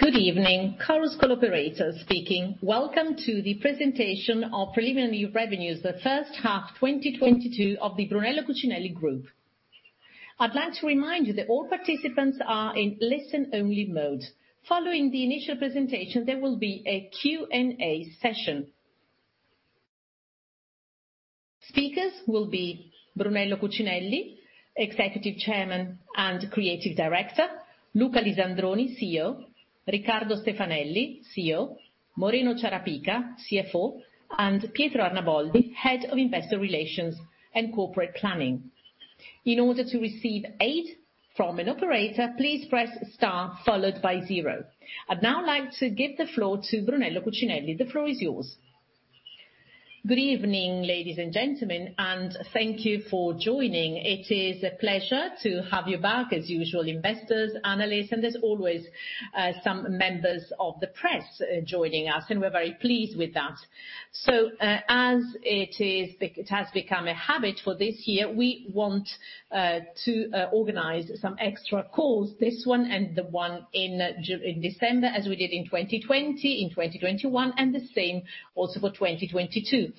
Good evening. Chorus Call operator speaking. Welcome to the presentation of preliminary revenues, the first half 2022 of the Brunello Cucinelli Group. I'd like to remind you that all participants are in listen only mode. Following the initial presentation, there will be a Q&A session. Speakers will be Brunello Cucinelli, Executive Chairman and Creative Director; Luca Lisandroni, CEO; Riccardo Stefanelli, CEO; Moreno Ciarapica, CFO; and Pietro Arnaboldi, Head of Investor Relations and Corporate Planning. In order to receive aid from an operator, please press star followed by zero. I'd now like to give the floor to Brunello Cucinelli. The floor is yours. Good evening, ladies and gentlemen, and thank you for joining. It is a pleasure to have you back. As usual, investors, analysts, and there's always some members of the press joining us, and we're very pleased with that. As it is be. It has become a habit for this year, we want to organize some extra calls, this one and the one in December, as we did in 2020, in 2021, and the same also for 2022.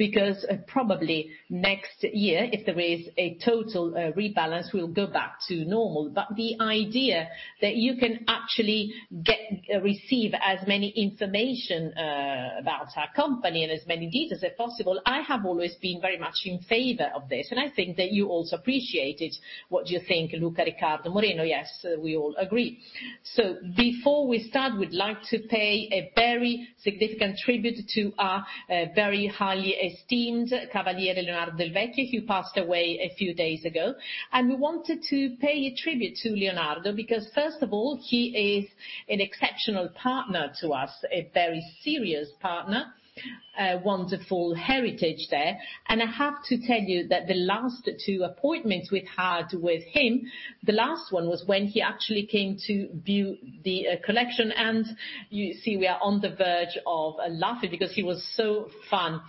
Because probably next year, if there is a total rebalance, we'll go back to normal. The idea that you can actually receive as many information about our company and as many details as possible, I have always been very much in favor of this, and I think that you also appreciate it. What do you think, Luca, Riccardo, Moreno? Yes, we all agree. Before we start, we'd like to pay a very significant tribute to our very highly esteemed Cavaliere Leonardo Del Vecchio, who passed away a few days ago. We wanted to pay a tribute to Leonardo because first of all, he is an exceptional partner to us, a very serious partner, a wonderful heritage there. I have to tell you that the last two appointments we've had with him, the last one was when he actually came to view the collection. You see we are on the verge of laughing because he was so fun.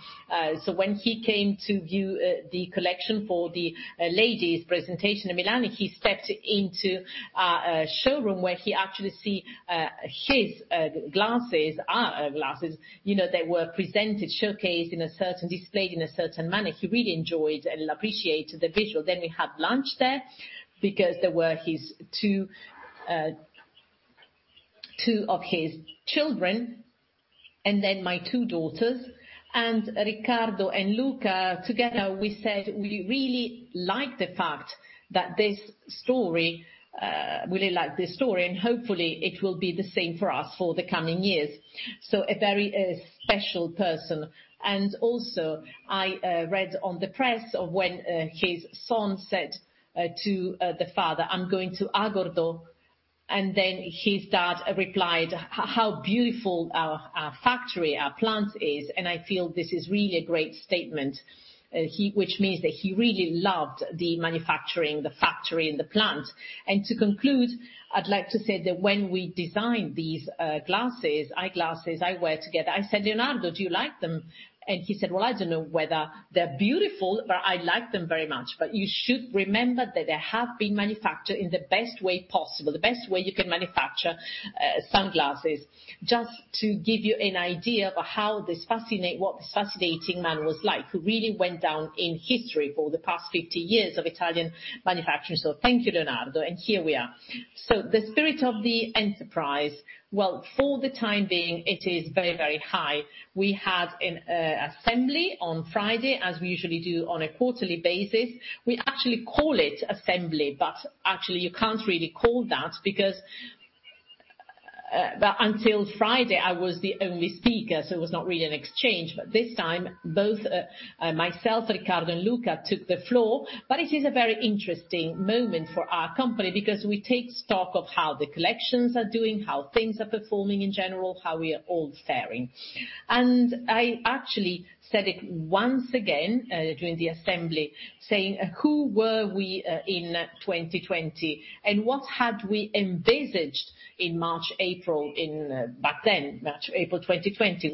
When he came to view the collection for the ladies presentation in Milan, he stepped into our showroom where he actually saw his glasses, our glasses. You know, they were presented, showcased, displayed in a certain manner. He really enjoyed and appreciated the visual. We had lunch there because there were two of his children, and then my two daughters. Riccardo and Luca, together we said we really like this story and hopefully it will be the same for us for the coming years. A very special person. I also read in the press about when his son said to the father, "I'm going to Agordo." Then his dad replied, "How beautiful our factory, our plant is." I feel this is really a great statement. Which means that he really loved the manufacturing, the factory and the plant. To conclude, I'd like to say that when we designed these glasses, eyeglasses, we were together. I said, "Leonardo, do you like them?" He said, "Well, I don't know whether they're beautiful, but I like them very much. You should remember that they have been manufactured in the best way possible, the best way you can manufacture, sunglasses. Just to give you an idea of what this fascinating man was like, who really went down in history for the past 50 years of Italian manufacturing. Thank you, Leonardo, and here we are. The spirit of the enterprise, well, for the time being, it is very, very high. We had an Assembly on Friday, as we usually do on a quarterly basis. We actually call it Assembly, but actually you can't really call that because, until Friday I was the only speaker, so it was not really an exchange. This time, both myself, Riccardo and Luca took the floor. It is a very interesting moment for our company because we take stock of how the collections are doing, how things are performing in general, how we are all faring. I actually said it once again during the Assembly, saying who we were in 2020, and what we had envisaged in March, April back then, 2020.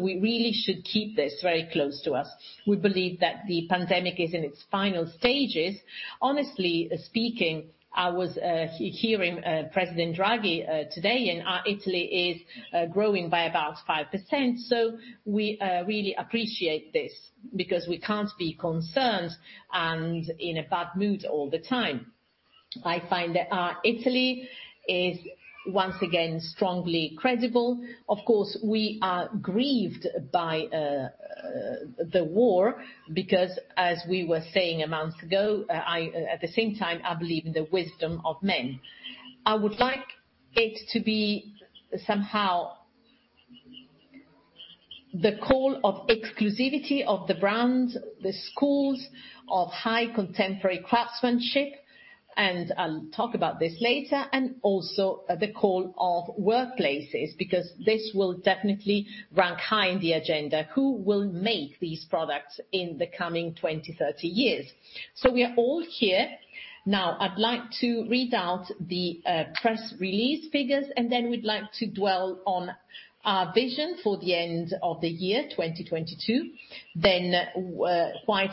We really should keep this very close to us. We believe that the pandemic is in its final stages. Honestly speaking, I was hearing President Draghi today, and Italy is growing by about 5%. We really appreciate this because we can't be concerned and in a bad mood all the time. I find that Italy is once again strongly credible. Of course, we are grieved by the war because as we were saying a month ago. At the same time, I believe in the wisdom of men. I would like it to be somehow the call of exclusivity of the brands, the schools of high contemporary craftsmanship, and I'll talk about this later. Also the call of workplaces, because this will definitely rank high in the agenda. Who will make these products in the coming 20, 30 years? We are all here. Now, I'd like to read out the press release figures, and then we'd like to dwell on our vision for the end of the year, 2022. Then, would like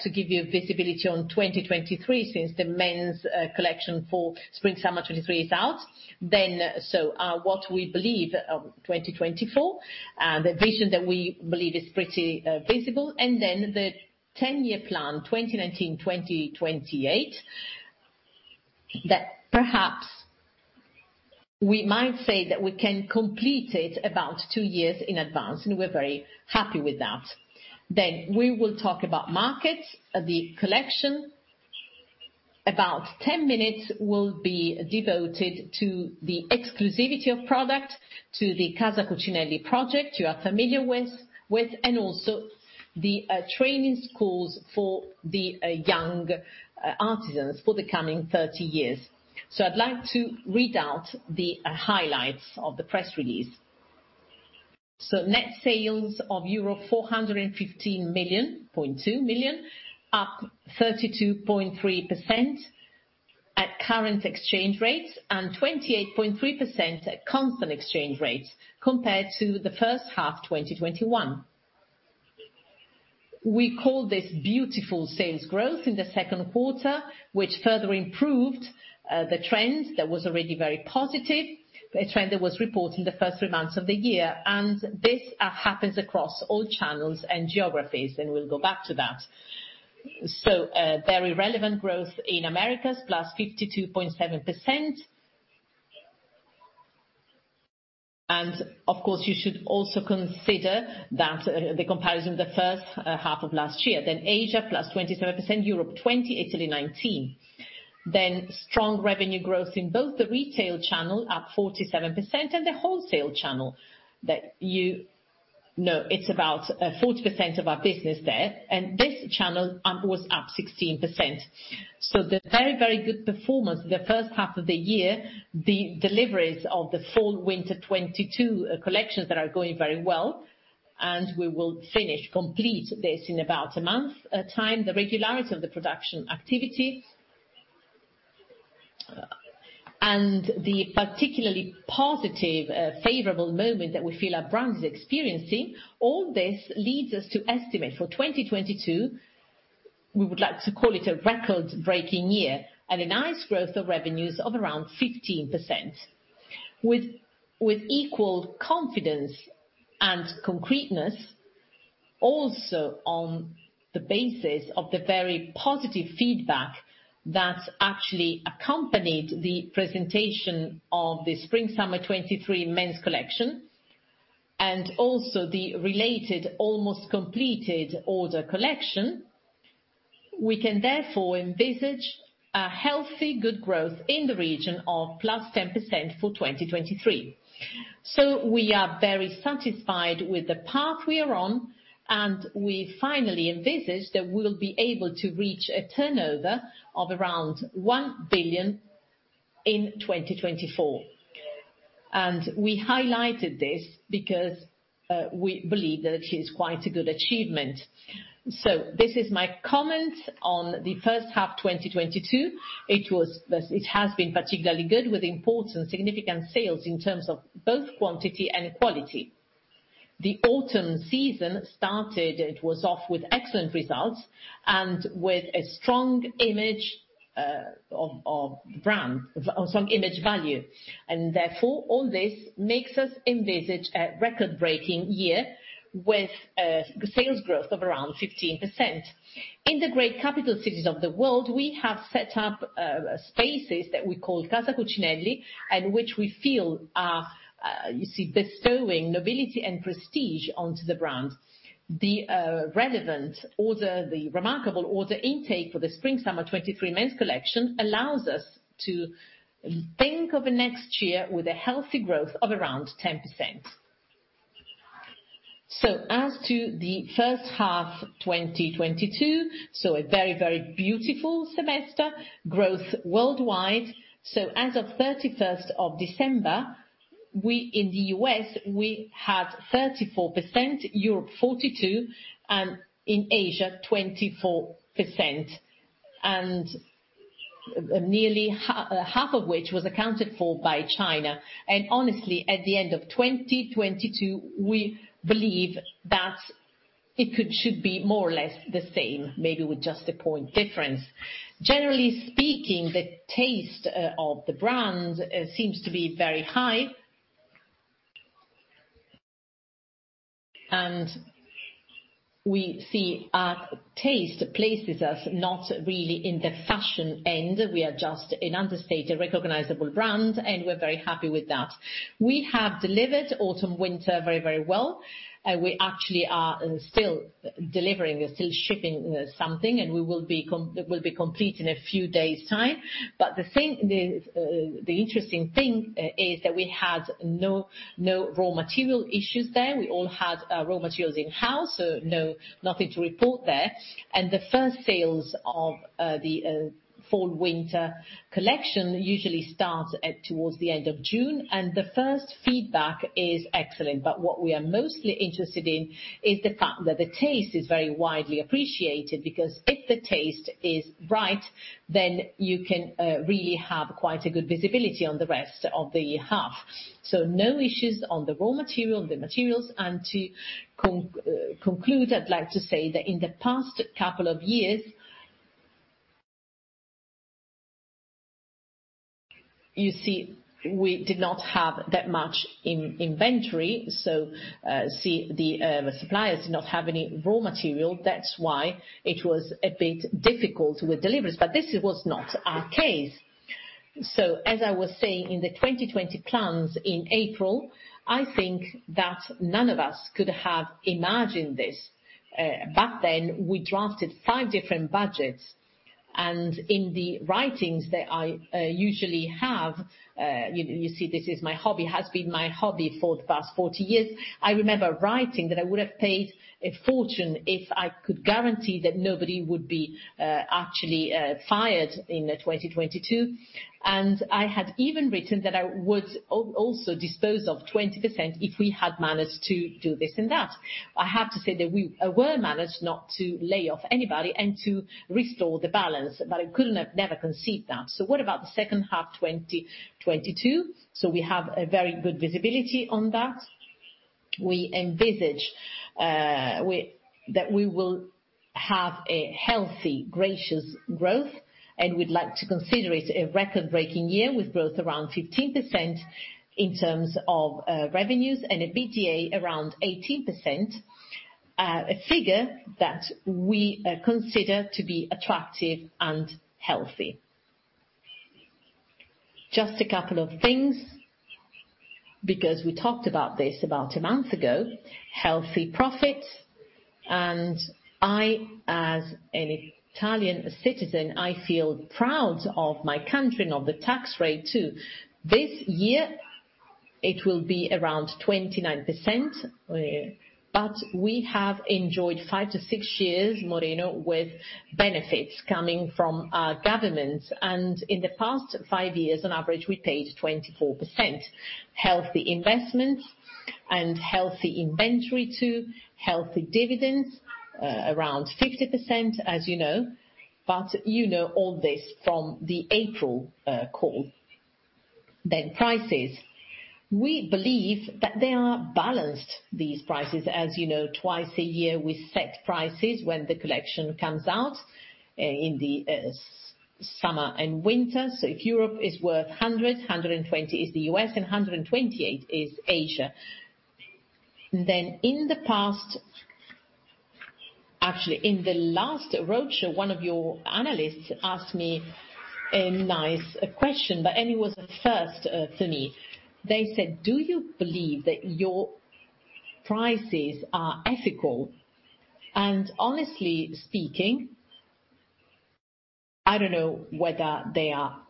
to give you visibility on 2023 since the men's collection for Spring/Summer 2023 is out. What we believe, 2024, the vision that we believe is pretty visible. The ten-year plan, 2019-2028, that perhaps we might say that we can complete it about two years in advance, and we're very happy with that. We will talk about markets, the collection. About 10 minutes will be devoted to the exclusivity of product, to the Casa Cucinelli project you are familiar with, and also the training schools for the young artisans for the coming 30 years. I'd like to read out the highlights of the press release. Net sales of euro 415.2 million, up 32.3% at current exchange rates and 28.3% at constant exchange rates compared to the first half 2021. We call this beautiful sales growth in the second quarter, which further improved the trends that was already very positive, a trend that was reported in the first three months of the year. This happens across all channels and geographies, and we'll go back to that. Very relevant growth in Americas, +52.7%. Of course, you should also consider that the comparison of the first half of last year. Asia, +27%, Europe, 20%, Italy, 19%. Strong revenue growth in both the retail channel, up 47%, and the wholesale channel that you know. It's about 40% of our business there, and this channel was up 16%. The very, very good performance the first half of the year, the deliveries of the Fall/Winter 2022 collections that are going very well, and we will finish, complete this in about a month time, the regularity of the production activities, and the particularly positive, favorable moment that we feel our brand is experiencing, all this leads us to estimate for 2022, we would like to call it a record-breaking year and a nice growth of revenues of around 15%. With equal confidence and concreteness, also on the basis of the very positive feedback that actually accompanied the presentation of the Spring/Summer 2023 men's collection and also the related almost completed order collection, we can therefore envisage a healthy good growth in the region of +10% for 2023. We are very satisfied with the path we are on, and we finally envisage that we'll be able to reach a turnover of around 1 billion in 2024. We highlighted this because we believe that it is quite a good achievement. This is my comment on the first half 2022. It has been particularly good with important significant sales in terms of both quantity and quality. The autumn season started off with excellent results and with a strong image of brand, a strong image value. Therefore, all this makes us envisage a record-breaking year with sales growth of around 15%. In the great capital cities of the world, we have set up spaces that we call Casa Cucinelli, and which we feel are, you see, bestowing nobility and prestige onto the brand. The remarkable order intake for the Spring/Summer 2023 men's collection allows us to think of next year with a healthy growth of around 10%. As to the first half 2022, a very, very beautiful semester, growth worldwide. As of December 31st, in the U.S., we had 34%, Europe 42%, and in Asia, 24%, and nearly half of which was accounted for by China. Honestly, at the end of 2022, we believe that it should be more or less the same, maybe with just a point difference. Generally speaking, the taste of the brand seems to be very high. We see our taste places us not really in the fashion end. We are just an understated, recognizable brand, and we're very happy with that. We have delivered Autumn/Winter very, very well. We actually are still delivering. We're still shipping something, and we'll be complete in a few days' time. The interesting thing is that we had no raw material issues there. We all had raw materials in-house, so nothing to report there. The first sales of the Fall/Winter collection usually starts at towards the end of June, and the first feedback is excellent. What we are mostly interested in is the fact that the taste is very widely appreciated, because if the taste is right, then you can really have quite a good visibility on the rest of the half. No issues on the raw material, the materials. To conclude, I'd like to say that in the past couple of years, you see, we did not have that much inventory, so the suppliers did not have any raw material. That's why it was a bit difficult with deliveries. But this was not our case. As I was saying in the 2020 plans in April, I think that none of us could have imagined this. Back then we drafted five different budgets, and in the writings that I usually have, you see this is my hobby, has been my hobby for the past 40 years. I remember writing that I would have paid a fortune if I could guarantee that nobody would be actually fired in 2022. I had even written that I would also dispose of 20% if we had managed to do this and that. I have to say that we, well, managed not to lay off anybody and to restore the balance, but I couldn't have never conceived that. What about the second half 2022? We have a very good visibility on that. We envisage that we will have a healthy, gracious growth, and we'd like to consider it a record-breaking year with growth around 15% in terms of revenues and an EBITDA around 18%, a figure that we consider to be attractive and healthy. Just a couple of things, because we talked about this about a month ago, healthy profits, and I as an Italian citizen, I feel proud of my country and of the tax rate too. This year it will be around 29%, but we have enjoyed five to six years, Moreno, with benefits coming from our government. In the past five years on average, we paid 24%. Healthy investments and healthy inventory too. Healthy dividends, around 50%, as you know, but you know all this from the April call. Prices. We believe that they are balanced, these prices. As you know, twice a year we set prices when the collection comes out, in the summer and winter. If Europe is worth 100, 120 is the U.S., and 120 is Asia. In the past. Actually, in the last roadshow, one of your analysts asked me a nice question, but it was a first, for me. They said, "Do you believe that your prices are ethical?" Honestly speaking, I don't know whether they are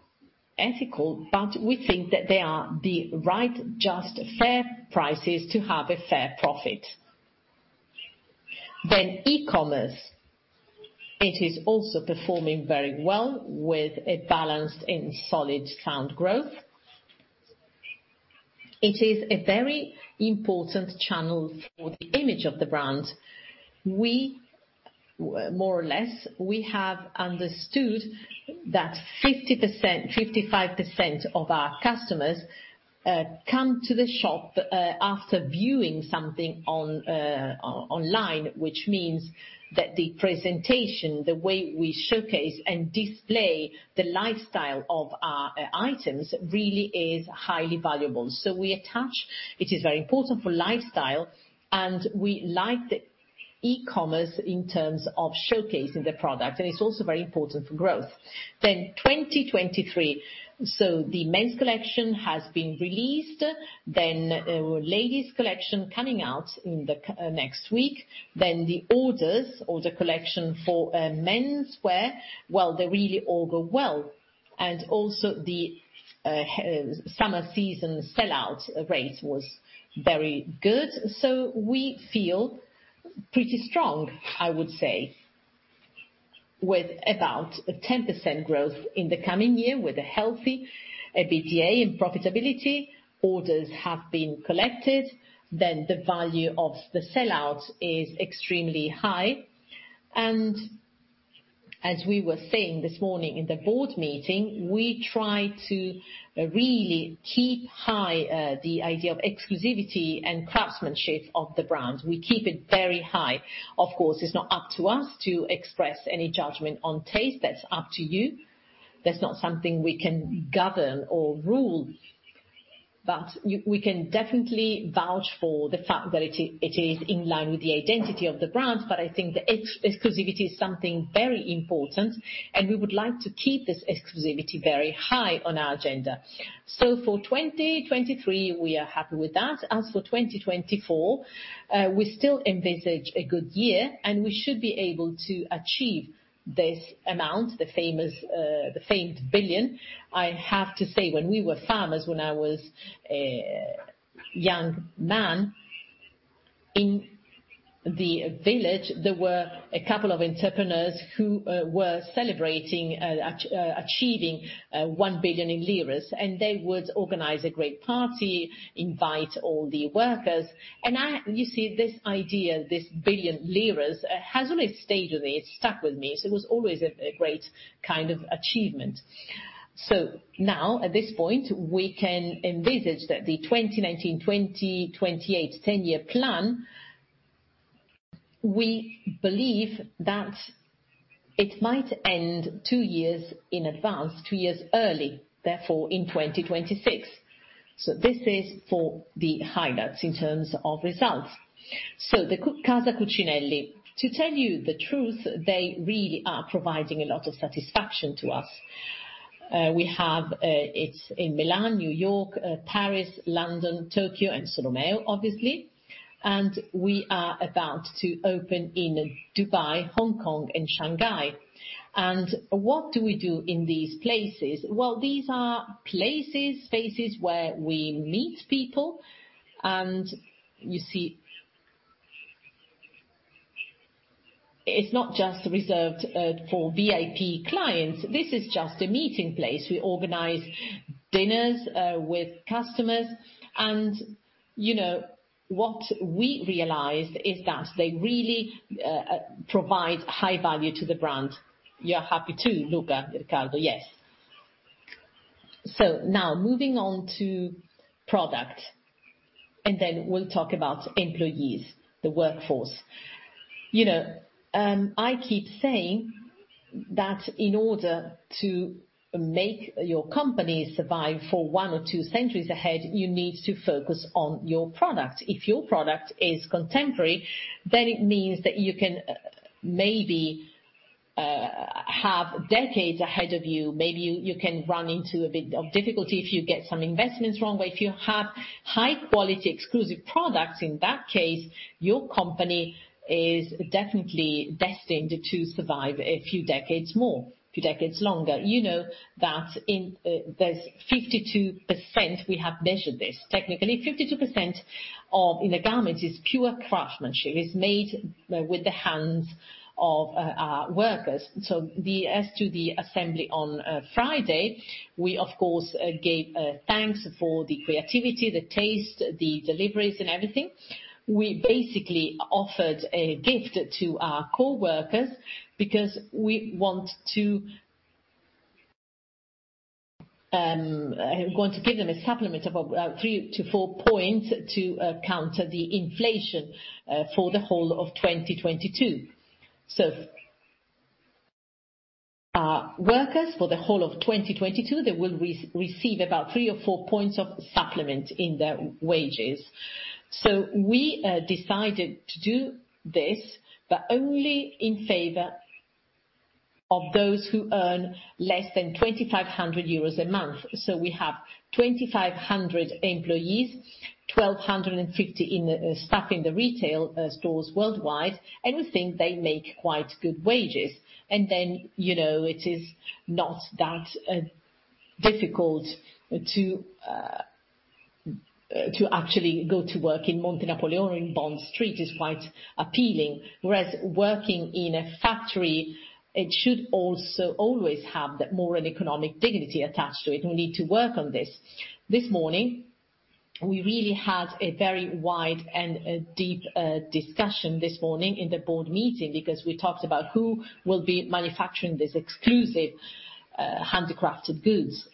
ethical, but we think that they are the right, just, fair prices to have a fair profit. E-commerce. It is also performing very well with a balanced and solid, sound growth. It is a very important channel for the image of the brand. We, more or less, have understood that 55% of our customers come to the shop after viewing something on online, which means that the presentation, the way we showcase and display the lifestyle of our items really is highly valuable. It is very important for lifestyle, and we like the e-commerce in terms of showcasing the product, and it's also very important for growth. 2023. The men's collection has been released. Ladies collection coming out next week. Orders or the collection for menswear, well, they really all go well. Also the summer season sellout rate was very good. We feel pretty strong, I would say, with about a 10% growth in the coming year with a healthy EBITDA and profitability. Orders have been collected. The value of the sellout is extremely high. As we were saying this morning in the Board meeting, we try to really keep high the idea of exclusivity and craftsmanship of the brand. We keep it very high. Of course, it's not up to us to express any judgment on taste. That's up to you. That's not something we can govern or rule, but we can definitely vouch for the fact that it is in line with the identity of the brand, but I think the exclusivity is something very important, and we would like to keep this exclusivity very high on our agenda. For 2023 we are happy with that. As for 2024, we still envisage a good year, and we should be able to achieve this amount, the famed 1 billion. I have to say, when we were farmers, when I was a young man, in the village there were a couple of entrepreneurs who were celebrating achieving 1 billion in liras, and they would organize a great party, invite all the workers. You see this idea, this billion liras, has really stayed with me. It stuck with me. It was always a great kind of achievement. Now at this point, we can envisage that the 2019-2028 ten-year plan, we believe that it might end two years in advance, two years early, therefore in 2026. This is for the highlights in terms of results. The Casa Cucinelli, to tell you the truth, they really are providing a lot of satisfaction to us. It's in Milan, New York, Paris, London, Tokyo, and Solomeo, obviously. We are about to open in Dubai, Hong Kong, and Shanghai. What do we do in these places? Well, these are places, spaces where we meet people. You see, it's not just reserved for VIP clients. This is just a meeting place. We organize dinners with customers and, you know, what we realized is that they really provide high value to the brand. You're happy too, Luca, Riccardo? Yes. Now moving on to product, and then we'll talk about employees, the workforce. You know, I keep saying that in order to make your company survive for one or two centuries ahead, you need to focus on your product. If your product is contemporary, then it means that you can maybe have decades ahead of you. Maybe you can run into a bit of difficulty if you get some investments wrong, but if you have high quality exclusive products, in that case, your company is definitely destined to survive a few decades more, a few decades longer. You know that in, there's 52%, we have measured this. Technically, 52% in the garments is pure craftsmanship. It's made with the hands of workers. As to the Assembly on a Friday, we of course gave thanks for the creativity, the taste, the deliveries and everything. We basically offered a gift to our coworkers because we want to give them a supplement of 3%-4% to counter the inflation for the whole of 2022. Our workers for the whole of 2022, they will receive about 3%-4% of supplement in their wages. We decided to do this, but only in favor of those who earn less than 2,500 euros a month. We have 2,500 employees, 1,250 in staff in the retail stores worldwide, and we think they make quite good wages. You know, it is not that difficult to actually go to work in Montenapoleone or in Bond Street. It's quite appealing. Whereas working in a factory, it should also always have that moral and economic dignity attached to it. We need to work on this. This morning, we really had a very wide and a deep discussion in the Board meeting because we talked about who will be manufacturing these exclusive handcrafted goods.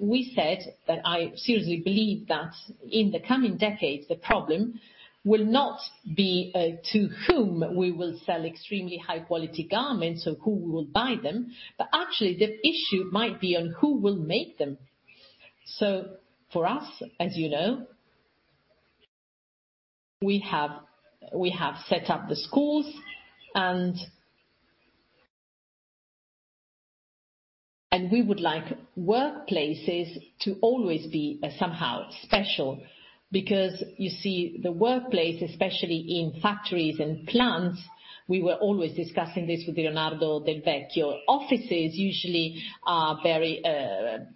We said that I seriously believe that in the coming decades, the problem will not be to whom we will sell extremely high quality garments or who will buy them, but actually the issue might be on who will make them. For us, as you know, we have set up the schools and we would like workplaces to always be somehow special. Because, you see, the workplace, especially in factories and plants, we were always discussing this with Leonardo Del Vecchio. Offices usually are very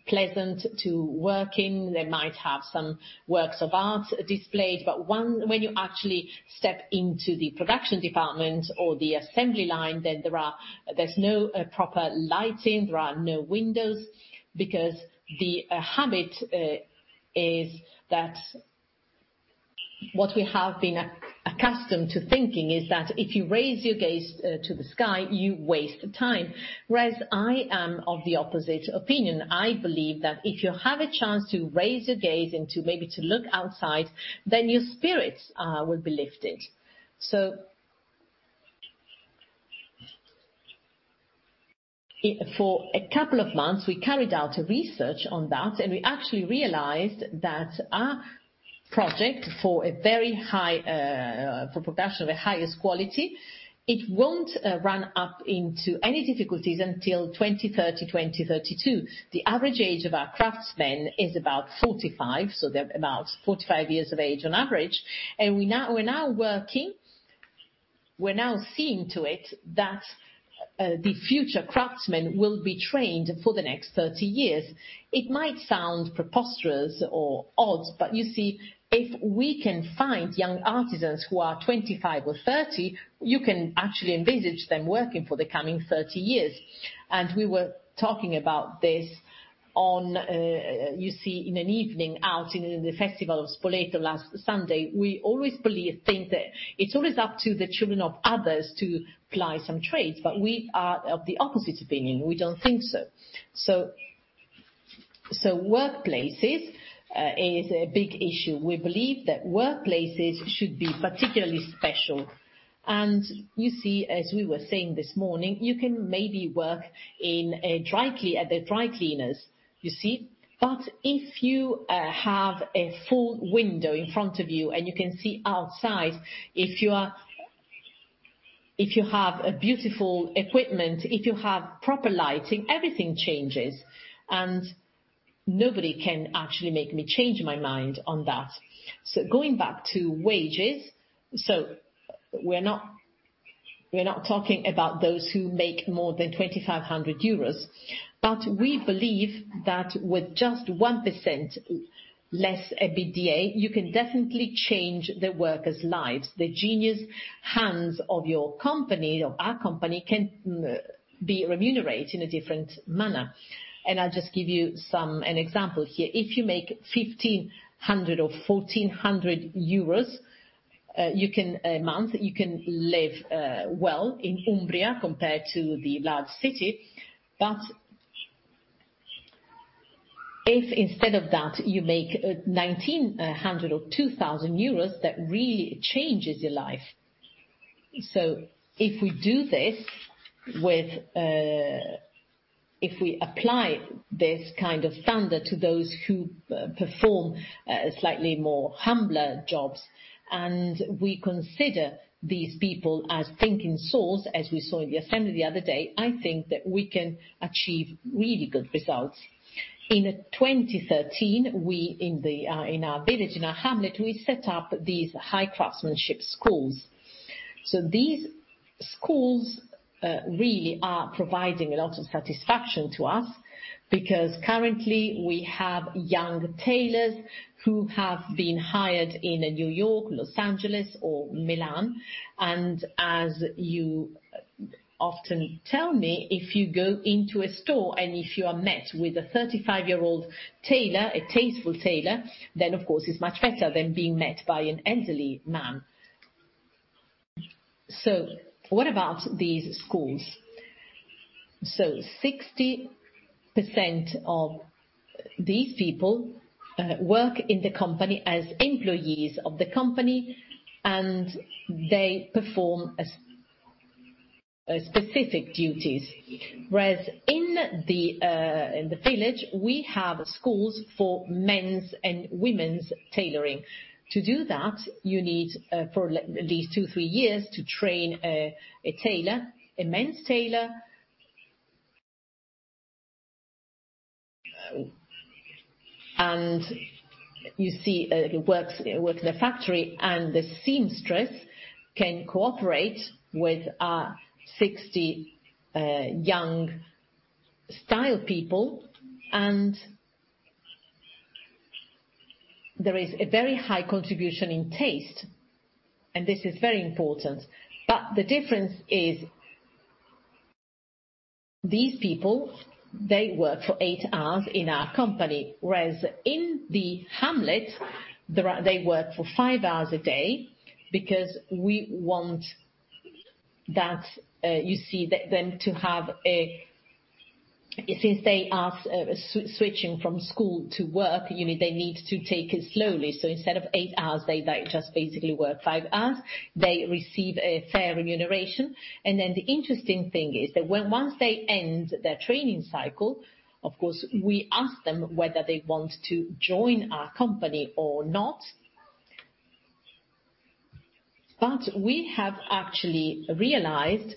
pleasant to work in. They might have some works of art displayed, but when you actually step into the production department or the Assembly line, then there is no proper lighting, there are no windows because the habit is that what we have been accustomed to thinking is that if you raise your gaze to the sky, you waste time. Whereas I am of the opposite opinion. I believe that if you have a chance to raise your gaze and to maybe look outside, then your spirits will be lifted. For a couple of months, we carried out research on that, and we actually realized that our project for a very high, for production of the highest quality, it won't run up into any difficulties until 2030, 2032. The average age of our craftsmen is about 45, so they're about 45 years of age on average. We now seeing to it that the future craftsmen will be trained for the next 30 years. It might sound preposterous or odd, but you see, if we can find young artisans who are 25 or 30, you can actually envisage them working for the coming 30 years. We were talking about this on, you see, in an evening out in the festival of Spoleto last Sunday. We always believe. think that it's always up to the children of others to ply some trades, but we are of the opposite opinion. We don't think so. Workplaces is a big issue. We believe that workplaces should be particularly special. You see, as we were saying this morning, you can maybe work at the dry cleaners, you see? If you have a full window in front of you and you can see outside, if you are. If you have beautiful equipment, if you have proper lighting, everything changes, and nobody can actually make me change my mind on that. Going back to wages. We're not talking about those who make more than 2,500 euros. We believe that with just 1% less EBITDA, you can definitely change the workers' lives. The genius hands of your company or our company can be remunerated in a different manner. I'll just give you an example here. If you make 1,500 or 1,400 euros a month, you can live well in Umbria compared to the large city. If instead of that, you make 1,900 or 2,000 euros, that really changes your life. If we apply this kind of standard to those who perform slightly more humbler jobs, and we consider these people as thinking source, as we saw in the Assembly the other day, I think that we can achieve really good results. In 2013, we in the, in our village, in our hamlet, we set up these high craftsmanship schools. These schools really are providing a lot of satisfaction to us because currently, we have young tailors who have been hired in New York, Los Angeles or Milan. As you often tell me, if you go into a store and if you are met with a 35-year-old tailor, a tasteful tailor, then of course it's much better than being met by an elderly man. What about these schools? 60% of these people work in the company as employees of the company, and they perform specific duties. Whereas in the village, we have schools for men's and women's tailoring. To do that, you need for at least two, three years to train a tailor, a men's tailor. You see, it works with the factory, and the seamstress can cooperate with our 60 young style people, and there is a very high contribution in taste, and this is very important. The difference is, these people, they work for eight hours in our company, whereas in the hamlet, they work for five hours a day because we want them, you see, to have a. Since they are switching from school to work, you know, they need to take it slowly. Instead of eight hours, they just basically work five hours. They receive a fair remuneration. Then the interesting thing is that once they end their training cycle, of course, we ask them whether they want to join our company or not. We have actually realized that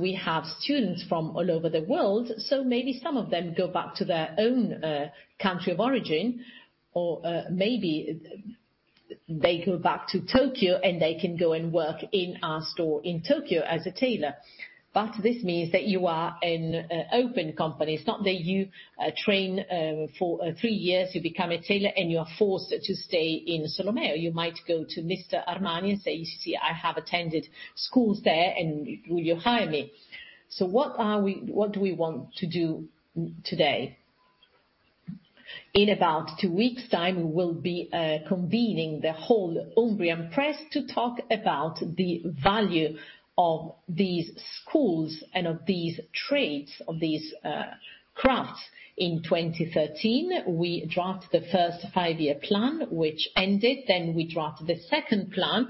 we have students from all over the world, so maybe some of them go back to their own country of origin, or maybe they go back to Tokyo, and they can go and work in our store in Tokyo as a tailor. This means that you are an open company. It's not that you train for three years, you become a tailor and you are forced to stay in Solomeo. You might go to Mr. Armani and say, "You see, I have attended schools there, and will you hire me?" What do we want to do today? In about two weeks' time, we will be convening the whole Umbrian press to talk about the value of these schools and of these trades, of these crafts. In 2013, we drafted the first five-year plan, which ended. We drafted the second plan.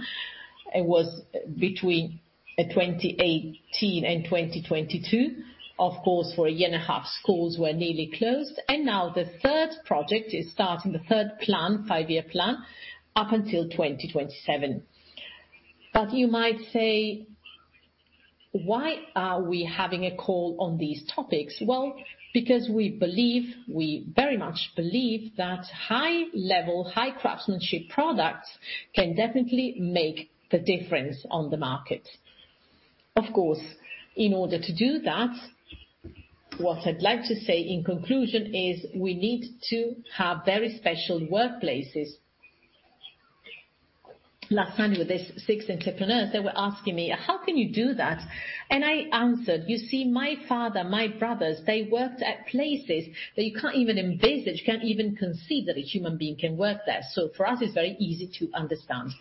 It was between 2018 and 2022. Of course, for a year and a half, schools were nearly closed. Now the third project is starting, the third plan, five-year plan, up until 2027. You might say, "Why are we having a call on these topics?" Well, because we believe, we very much believe that high level, high craftsmanship products can definitely make the difference on the market. Of course, in order to do that, what I'd like to say in conclusion is we need to have very special workplaces. Last time with these six entrepreneurs, they were asking me, "How can you do that?" I answered, "You see, my father, my brothers, they worked at places that you can't even envisage, you can't even conceive that a human being can work there. So for us, it's very easy to understand."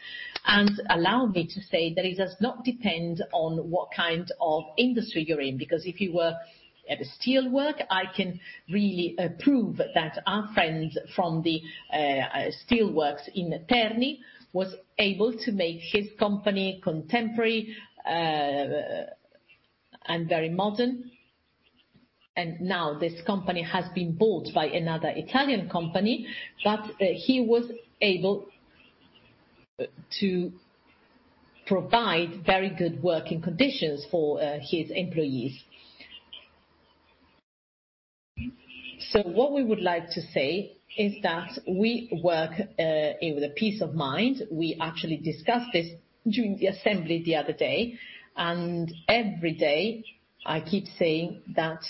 Allow me to say that it does not depend on what kind of industry you're in. If you were at a steelworks, I can really prove that our friend from the steelworks in Terni was able to make his company contemporary and very modern. Now this company has been bought by another Italian company, but he was able to provide very good working conditions for his employees. What we would like to say is that we work with a peace of mind. We actually discussed this during the Assembly the other day, and every day, I keep saying that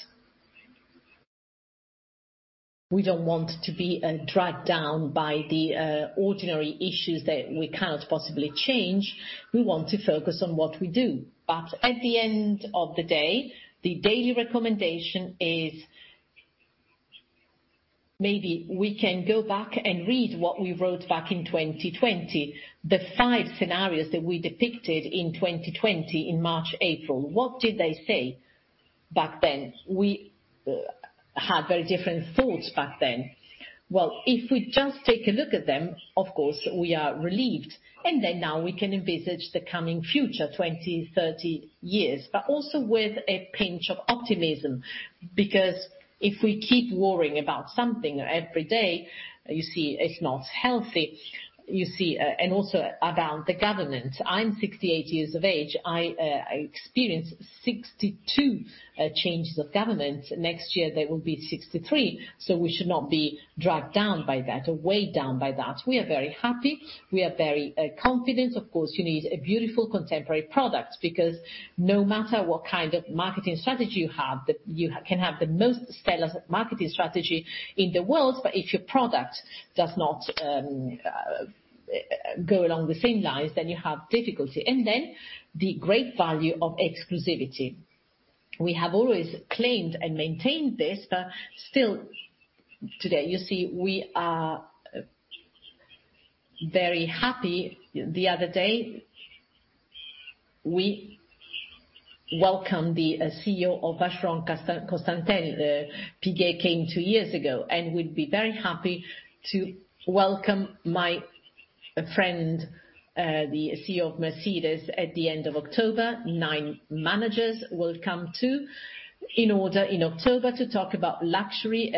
we don't want to be dragged down by the ordinary issues that we cannot possibly change. We want to focus on what we do. At the end of the day, the daily recommendation is maybe we can go back and read what we wrote back in 2020. The five scenarios that we depicted in 2020, in March, April. What did they say back then? We had very different thoughts back then. Well, if we just take a look at them, of course, we are relieved. Then now we can envisage the coming future, 20, 30 years, but also with a pinch of optimism. Because if we keep worrying about something every day, you see it's not healthy. You see. Also about the government. I'm 68 years of age. I experienced 62 changes of government. Next year, they will be 63. We should not be dragged down by that or weighed down by that. We are very happy. We are very confident. Of course, you need a beautiful contemporary product because no matter what kind of marketing strategy you have, that you can have the most stellar marketing strategy in the world, but if your product does not go along the same lines, then you have difficulty. Then the great value of exclusivity. We have always claimed and maintained this, but still today, you see, we are very happy. The other day, we welcomed the CEO of Vacheron Constantin. The CEO of Audemars Piguet came two years ago, and we'd be very happy to welcome my friend, the CEO of Mercedes-Benz at the end of October. Nine managers will come too in order, in October, to talk about luxury,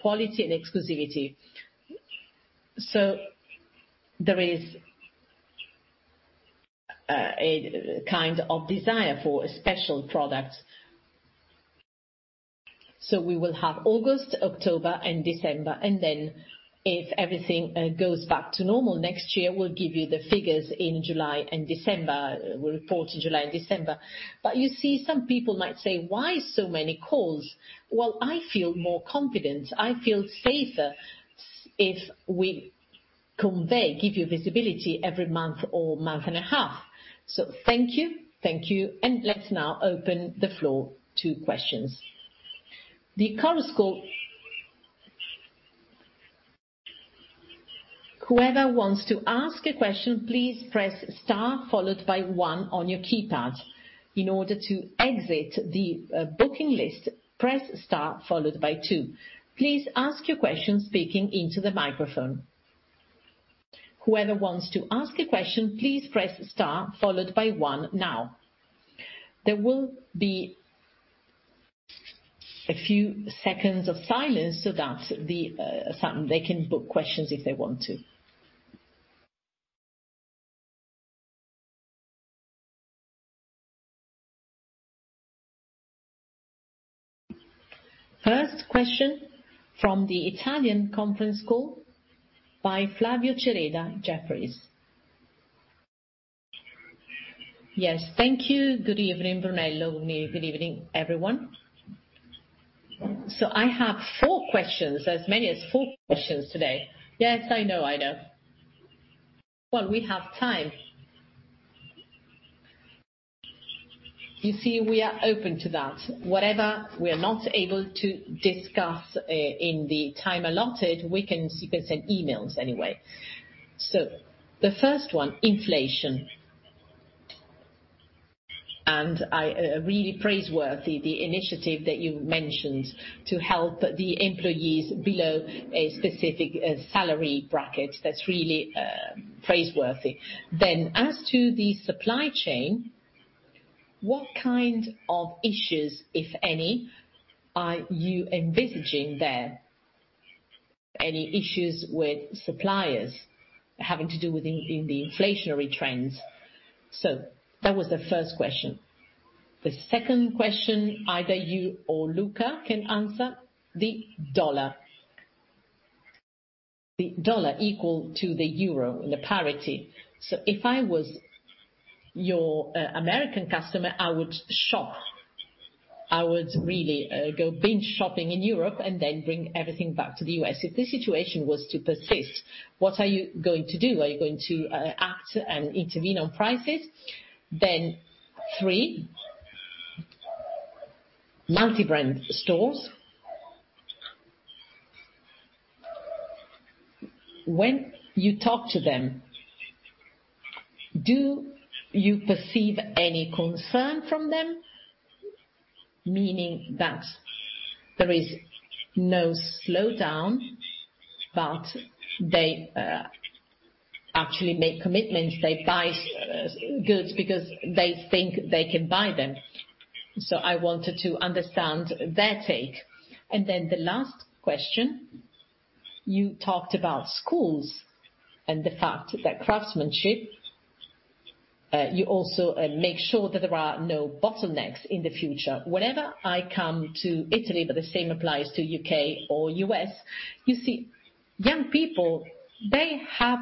quality, and exclusivity. There is a kind of desire for a special product. We will have August, October, and December, and then if everything goes back to normal next year, we'll give you the figures in July and December. We'll report in July and December. You see some people might say, "Why so many calls?" Well, I feel more confident. I feel safer if we convey, give you visibility every month or month and a half. Thank you, thank you. Let's now open the floor to questions. The conference call. Whoever wants to ask a question, please press star followed by one on your keypad. In order to exit the booking list, press star followed by two. Please ask your question speaking into the microphone. Whoever wants to ask a question, please press star followed by one now. There will be a few seconds of silence so they can book questions if they want to. First question from the Italian conference call by Flavio Cereda, Jefferies. Yes. Thank you. Good evening, Brunello. Good evening, everyone. So I have four questions, as many as four questions today. Yes, I know. Well, we have time. You see, we are open to that. Whatever we are not able to discuss in the time allotted, we can, you can send emails anyway. So the first one, inflation. I really praiseworthy the initiative that you mentioned to help the employees below a specific salary bracket. That's really praiseworthy. Then as to the supply chain, what kind of issues, if any, are you envisaging there? Any issues with suppliers having to do with the inflationary trends? That was the first question. The second question, either you or Luca can answer, the dollar. The dollar equal to the euro, the parity. If I was your American customer, I would shop. I would really go binge shopping in Europe and then bring everything back to the U.S. If this situation was to persist, what are you going to do? Are you going to act and intervene on prices? Three, multi-brand stores. When you talk to them, do you perceive any concern from them? Meaning that there is no slowdown, but they actually make commitments. They buy goods because they think they can buy them. I wanted to understand their take. The last question, you talked about schools and the fact that craftsmanship, you also make sure that there are no bottlenecks in the future. Whenever I come to Italy, but the same applies to U.K. or U.S., you see young people, they have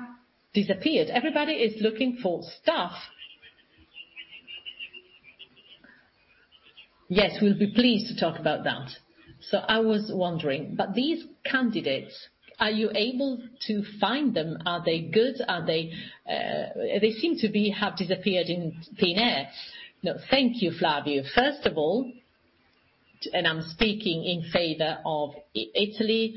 disappeared. Everybody is looking for staff. Yes, we'll be pleased to talk about that. I was wondering, but these candidates, are you able to find them? Are they good? They seem to have disappeared in thin air. No. Thank you, Flavio. First of all, I'm speaking in favor of Italy.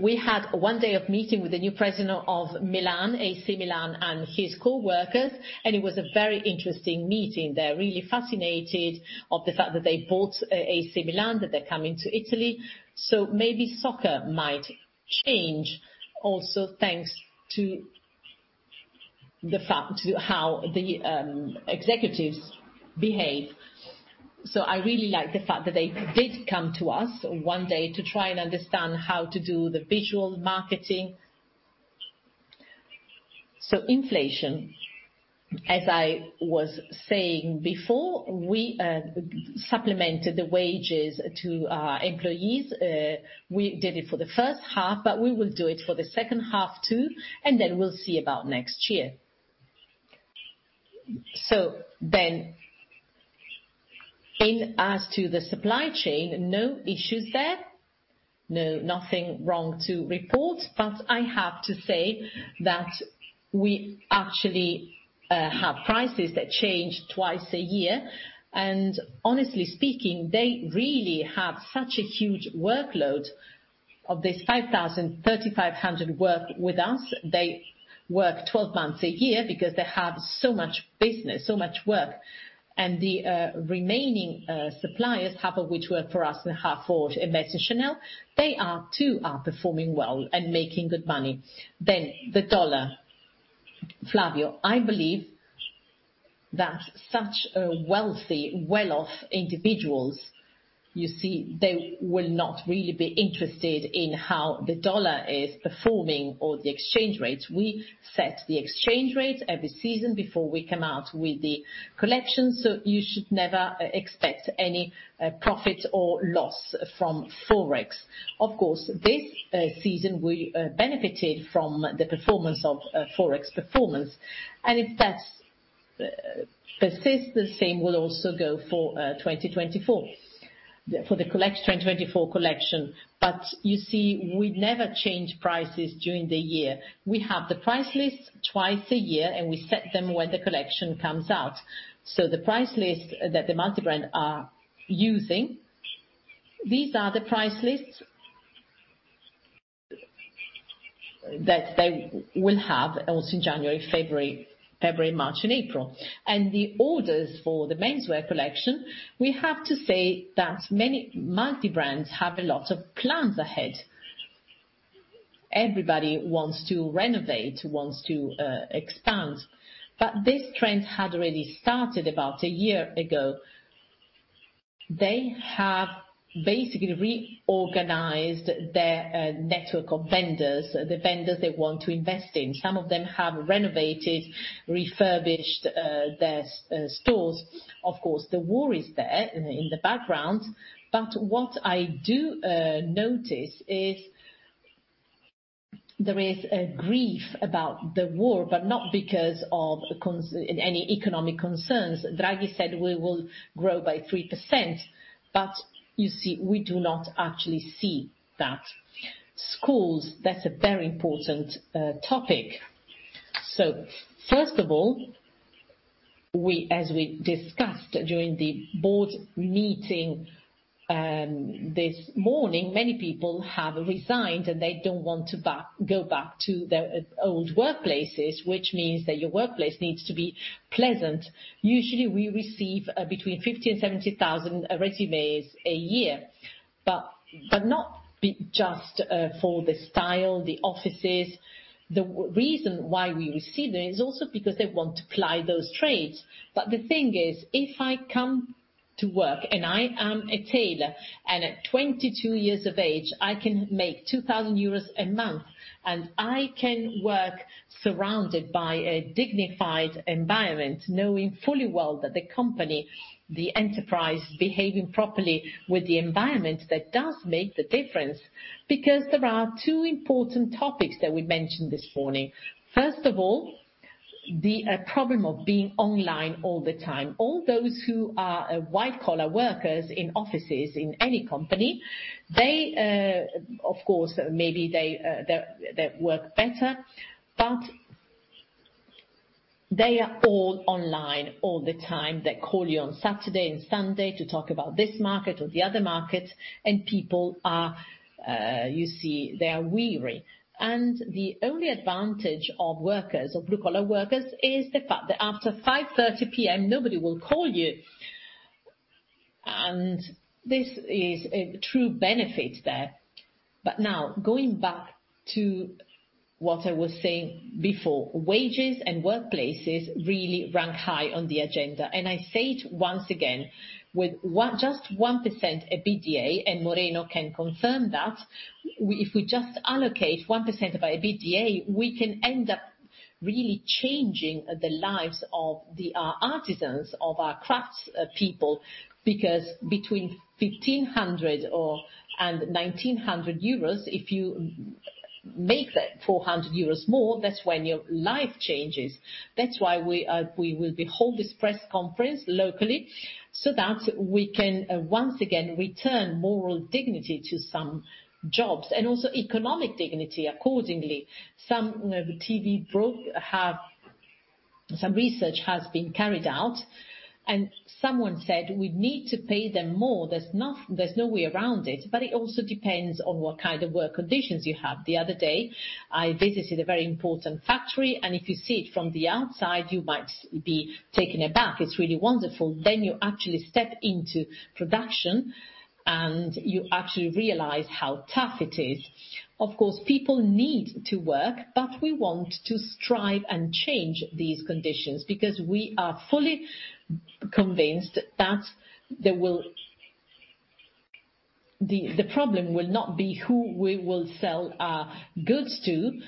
We had one day of meeting with the new President of AC Milan, and his coworkers, and it was a very interesting meeting. They're really fascinated of the fact that they bought AC Milan, that they're coming to Italy. Maybe soccer might change also, thanks to how the executives behave. I really like the fact that they did come to us one day to try and understand how to do the visual marketing. Inflation, as I was saying before, we supplemented the wages to our employees. We did it for the first half, but we will do it for the second half too, and then we'll see about next year. As to the supply chain, no issues there. No, nothing wrong to report. But I have to say that we actually have prices that change twice a year and honestly speaking, they really have such a huge workload. Of this 5,000, 3,500 work with us. They work 12 months a year because they have so much business, so much work. The remaining suppliers, half of which work for us and half for Hermès and Chanel, they are performing well and making good money. The dollar. Flavio, I believe that such a wealthy, well-off individuals, you see, they will not really be interested in how the dollar is performing or the exchange rates. We set the exchange rates every season before we come out with the collection, so you should never expect any profit or loss from Forex. Of course, this season, we benefited from the performance of Forex, and if that persists, the same will also go for 2024. The 2024 collection. You see, we never change prices during the year. We have the price lists twice a year, and we set them when the collection comes out. The price list that the multi-brand are using, these are the price lists that they will have also in January, February, March and April. The orders for the menswear collection, we have to say that many multi-brands have a lot of plans ahead. Everybody wants to renovate, wants to expand. This trend had already started about a year ago. They have basically reorganized their network of vendors, the vendors they want to invest in. Some of them have renovated, refurbished their stores. Of course, the war is there in the background, but what I notice is there is a fear about the war, but not because of any economic concerns. Draghi said we will grow by 3%, but you see, we do not actually see that. Schools, that's a very important topic. First of all, we, as we discussed during the Board meeting this morning, many people have resigned and they don't want to go back to their old workplaces, which means that your workplace needs to be pleasant. Usually we receive between 50,000 and 70,000 resumes a year, but not just for the style, the offices. The reason why we receive them is also because they want to ply those trades. The thing is, if I come to work and I am a tailor and at 22 years of age, I can make 2,000 euros a month and I can work surrounded by a dignified environment, knowing fully well that the company, the enterprise behaving properly with the environment, that does make the difference because there are two important topics that we mentioned this morning. First of all, the problem of being online all the time. All those who are white-collar workers in offices in any company, they of course maybe they work better, but they are all online all the time. They call you on Saturday and Sunday to talk about this market or the other market and people are, you see, they are weary. The only advantage of workers or blue-collar workers is the fact that after 5:30 P.M. nobody will call you. This is a true benefit there. Now going back to what I was saying before, wages and workplaces really rank high on the agenda. I say it once again, with just 1% EBITDA, and Moreno can confirm that. If we just allocate 1% of our EBITDA, we can end up really changing the lives of the artisans of our crafts people, because between 1,500 and 1,900 euros, if you make that 400 euros more, that's when your life changes. That's why we will be holding this press conference locally so that we can once again return moral dignity to some jobs and also economic dignity accordingly. Some research has been carried out, and someone said we need to pay them more. There's no way around it. But it also depends on what kind of work conditions you have. The other day, I visited a very important factory, and if you see it from the outside, you might be taken aback. It's really wonderful. You actually step into production, and you actually realize how tough it is. Of course, people need to work, but we want to strive and change these conditions because we are fully convinced that there will be. The problem will not be who we will sell our goods to,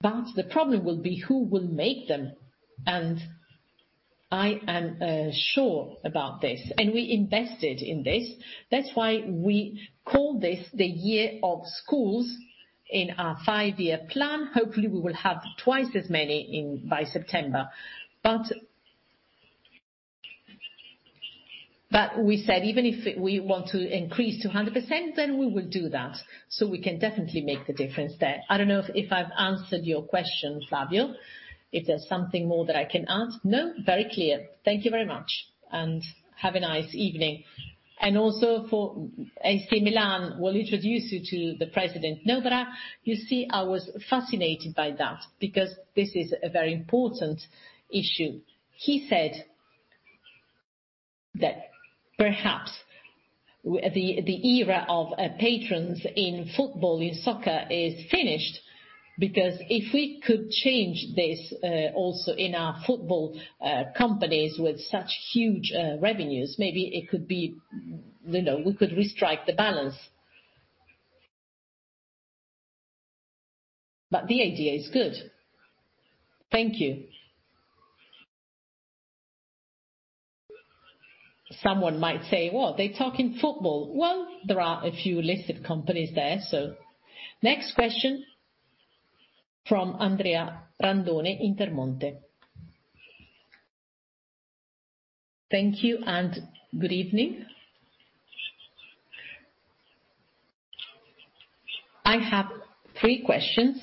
but the problem will be who will make them. I am sure about this. We invested in this. That's why we call this the year of schools in our five-year plan. Hopefully, we will have twice as many by September. We said even if we want to increase to 100%, then we will do that, so we can definitely make the difference there. I don't know if I've answered your question, Flavio. If there's something more that I can add. No. Very clear. Thank you very much, and have a nice evening. Also for AC Milan, we'll introduce you to the President, Scaroni. You see, I was fascinated by that because this is a very important issue. He said that perhaps the era of patrons in football, in soccer is finished because if we could change this, also in our football, companies with such huge revenues, maybe it could be, you know, we could restrike the balance. But the idea is good. Thank you. Someone might say, "What? They're talking football." Well, there are a few listed companies there. Next question from Andrea Randone, Intermonte. Thank you and good evening. I have three questions.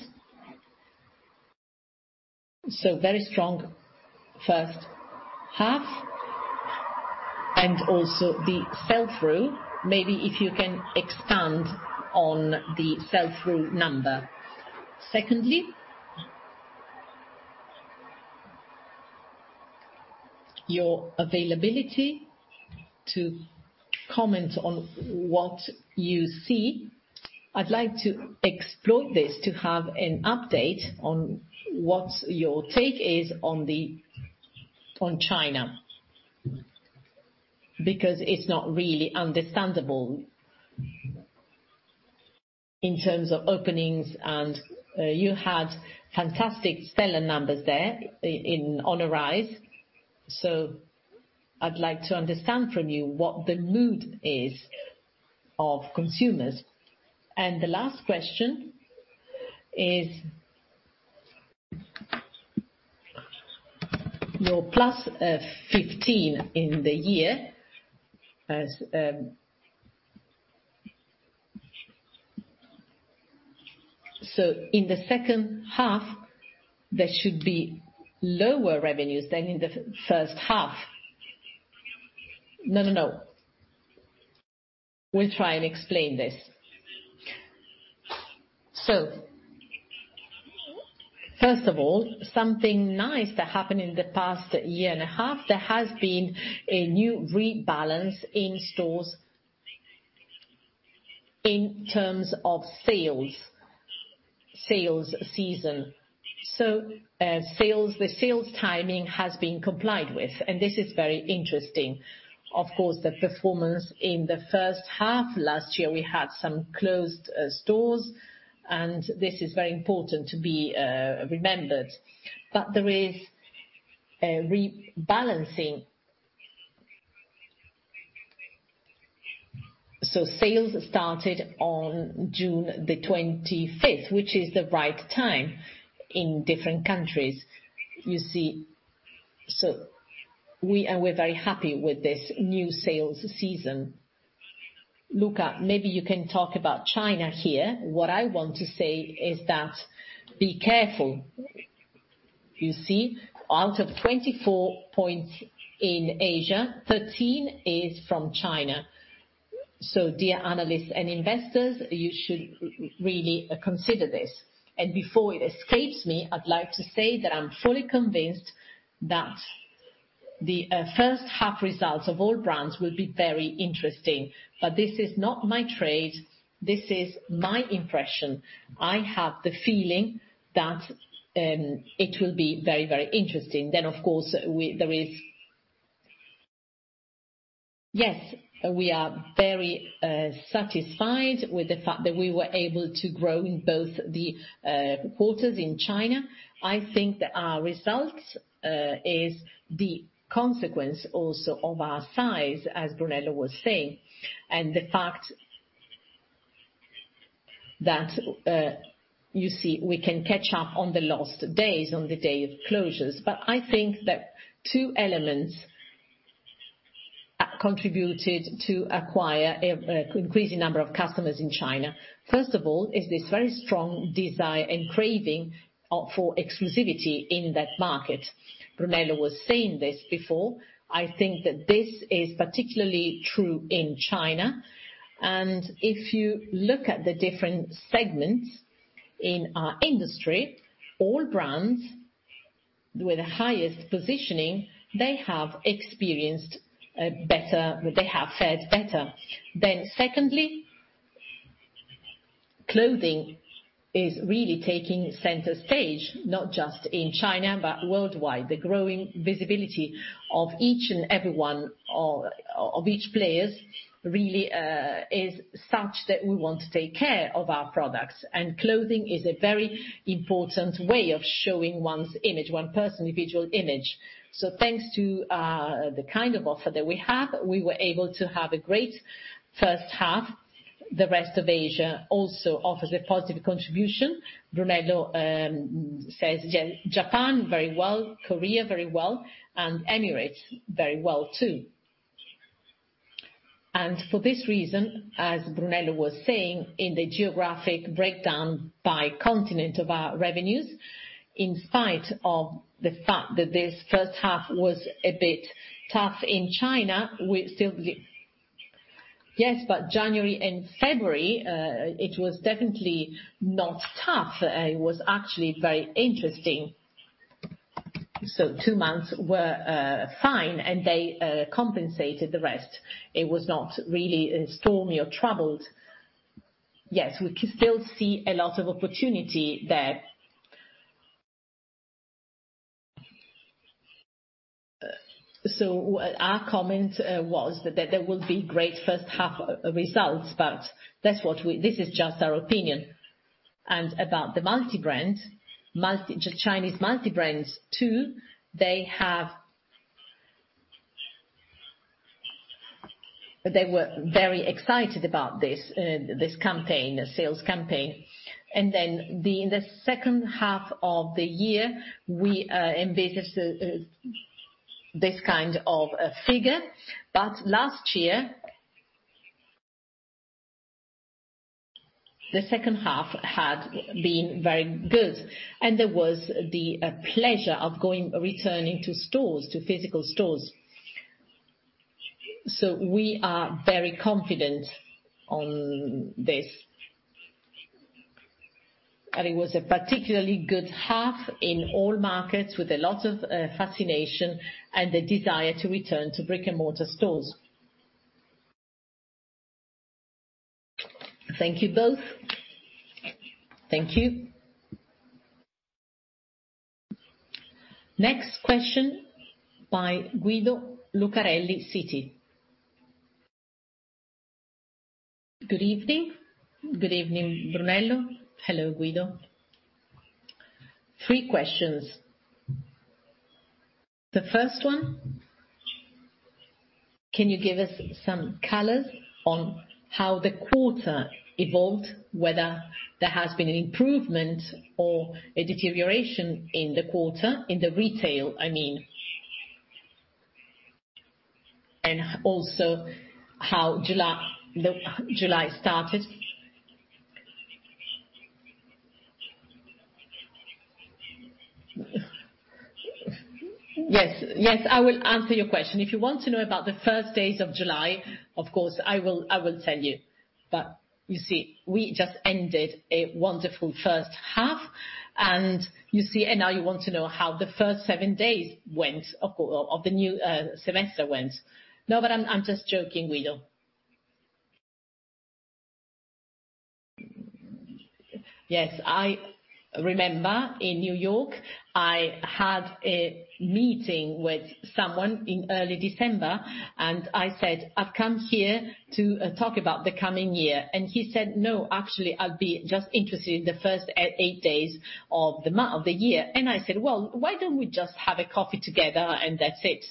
Very strong first half, and also the sell-through. Maybe if you can expand on the sell-through number. Secondly, your availability to comment on what you see. I'd like to exploit this to have an update on what your take is on China. Because it's not really understandable in terms of openings, and you had fantastic sales numbers there on the rise. I'd like to understand from you what the mood is of consumers. The last question is your +15% in the year as in the second half, there should be lower revenues than in the first half. No, no. We'll try and explain this. First of all, something nice that happened in the past year and a half, there has been a new rebalance in stores in terms of sales season. Sales, the sales timing has been complied with, and this is very interesting. Of course, the performance in the first half last year, we had some closed stores, and this is very important to be remembered. There is a rebalancing. Sales started on June 25, which is the right time in different countries, you see. We are very happy with this new sales season. Luca, maybe you can talk about China here. What I want to say is that be careful. You see, out of 24 points in Asia, 13 is from China. Dear analysts and investors, you should really consider this. Before it escapes me, I'd like to say that I'm fully convinced that the first half results of all brands will be very interesting. This is not my trade, this is my impression. I have the feeling that it will be very, very interesting. Of course, there is. Yes, we are very satisfied with the fact that we were able to grow in both quarters in China. I think that our results is the consequence also of our size, as Brunello was saying, and the fact that, you see, we can catch up on the lost days, on the day of closures. I think that two elements contributed to acquire an increasing number of customers in China. First of all is this very strong desire and craving for exclusivity in that market. Brunello was saying this before. I think that this is particularly true in China, and if you look at the different segments in our industry, all brands with the highest positioning, they have experienced a better. They have fared better. Secondly, clothing is really taking center stage, not just in China, but worldwide. The growing visibility of each and every one or of each player's, really, is such that we want to take care of our products. Clothing is a very important way of showing one's image, one personal visual image. Thanks to the kind of offer that we have, we were able to have a great first half. The rest of Asia also offers a positive contribution. Brunello does Japan very well, Korea very well, and Emirates very well, too. For this reason, as Brunello was saying, in the geographic breakdown by continent of our revenues, in spite of the fact that this first half was a bit tough in China, we still. Yes, but January and February, it was definitely not tough. It was actually very interesting. Two months were fine, and they compensated the rest. It was not really stormy or troubled. Yes, we can still see a lot of opportunity there. Our comment was that there will be great first half results. This is just our opinion. About the Just Chinese multi-brands, too. They were very excited about this campaign, sales campaign. In the second half of the year, we envisaged this kind of a figure. Last year, the second half had been very good, and there was the pleasure of returning to stores, to physical stores. We are very confident on this. It was a particularly good half in all markets with a lot of fascination and the desire to return to brick-and-mortar stores. Thank you both. Thank you. Next question by Guido Lucarelli, Citi. Good evening. Good evening, Brunello. Hello, Guido. Three questions. The first one, can you give us some colors on how the quarter evolved, whether there has been an improvement or a deterioration in the quarter, in the retail, I mean. Also how July started. Yes. Yes, I will answer your question. If you want to know about the first days of July, of course, I will tell you. But you see, we just ended a wonderful first half, and you see. Now you want to know how the first seven days of the new semester went. No, but I'm just joking, Guido. Yes, I remember in New York, I had a meeting with someone in early December, and I said, "I've come here to talk about the coming year." He said, "No, actually, I'd be just interested in the first eight days of the year." I said, "Well, why don't we just have a coffee together and that's it?"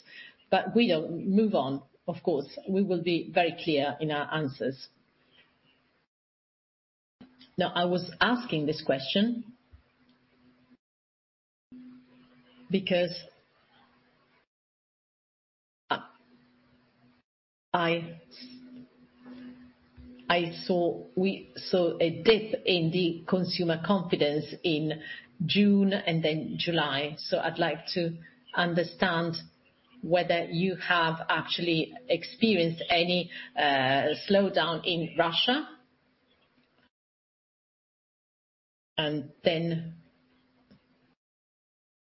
Guido, move on. Of course, we will be very clear in our answers. No, I was asking this question because I saw we saw a dip in the consumer confidence in June and then July. I'd like to understand whether you have actually experienced any slowdown in Russia.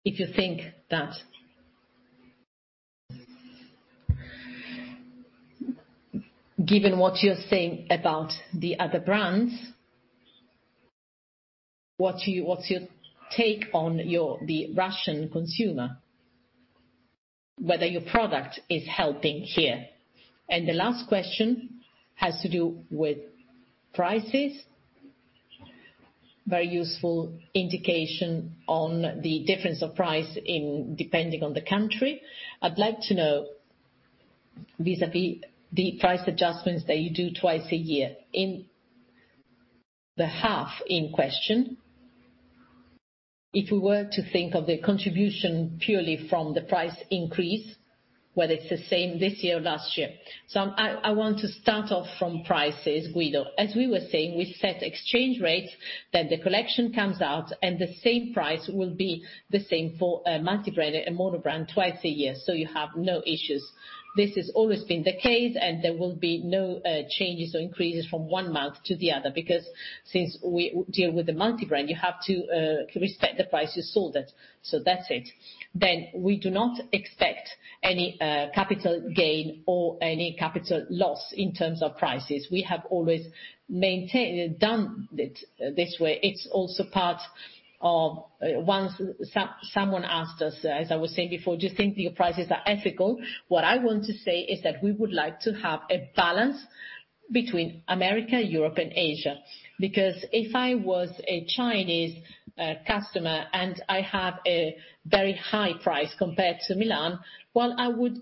If you think that given what you're saying about the other brands, what's your take on the Russian consumer, whether your product is helping here? The last question has to do with prices. Very useful indication on the difference of price in depending on the country. I'd like to know vis-à-vis the price adjustments that you do twice a year. In the half in question, if we were to think of the contribution purely from the price increase, whether it's the same this year or last year. I want to start off from prices, Guido. As we were saying, we set exchange rates, then the collection comes out, and the same price will be the same for multi-brand and mono-brand twice a year, so you have no issues. This has always been the case, and there will be no changes or increases from one month to the other, because since we deal with the multi-brand, you have to to reset the price, you sold it. That's it. We do not expect any capital gain or any capital loss in terms of prices. We have always done it this way. It's also part of once someone asked us, as I was saying before, "Do you think the prices are ethical?" What I want to say is that we would like to have a balance between America, Europe, and Asia. Because if I was a Chinese customer, and I have a very high price compared to Milan, well, I would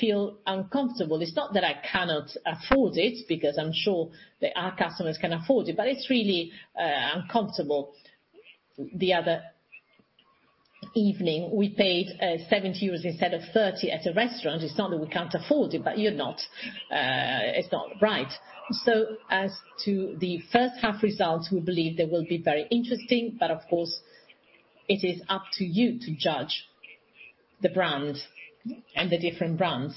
feel uncomfortable. It's not that I cannot afford it, because I'm sure that our customers can afford it, but it's really uncomfortable. The other evening, we paid 70 euros instead of 30 at a restaurant. It's not that we can't afford it, but you're not. It's not right. As to the first half results, we believe they will be very interesting, but of course, it is up to you to judge the brand and the different brands.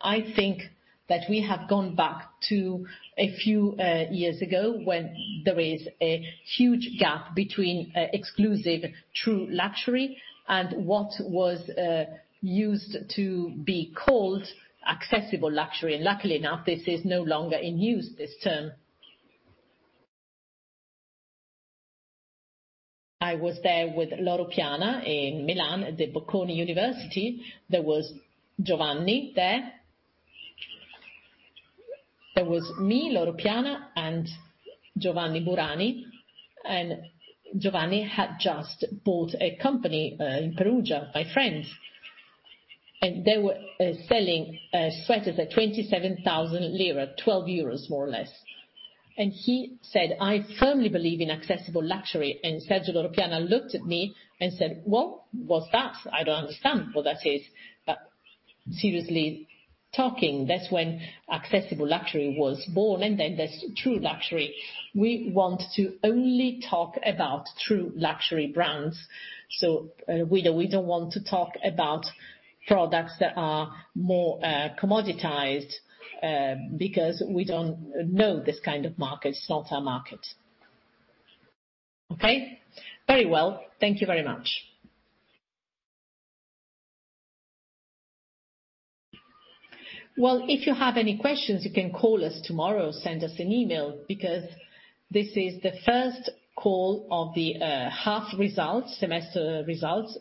I think that we have gone back to a few years ago when there is a huge gap between exclusive true luxury and what was used to be called accessible luxury. Luckily enough, this is no longer in use, this term. I was there with Loro Piana in Milan at the Bocconi University. There was Giovanni there. There was me, Loro Piana and Giovanni Burani, and Giovanni had just bought a company in Perugia, my friends. They were selling sweaters at 27,000 lira, 12 euros more or less. He said, "I firmly believe in accessible luxury." Sergio Loro Piana looked at me and said, "What was that? I don't understand what that is." Seriously talking, that's when accessible luxury was born, and then there's true luxury. We want to only talk about true luxury brands. We don't want to talk about products that are more commoditized, because we don't know this kind of market. It's not our market. Okay. Very well. Thank you very much. Well, if you have any questions, you can call us tomorrow, send us an email, because this is the first call of the half results, semester results.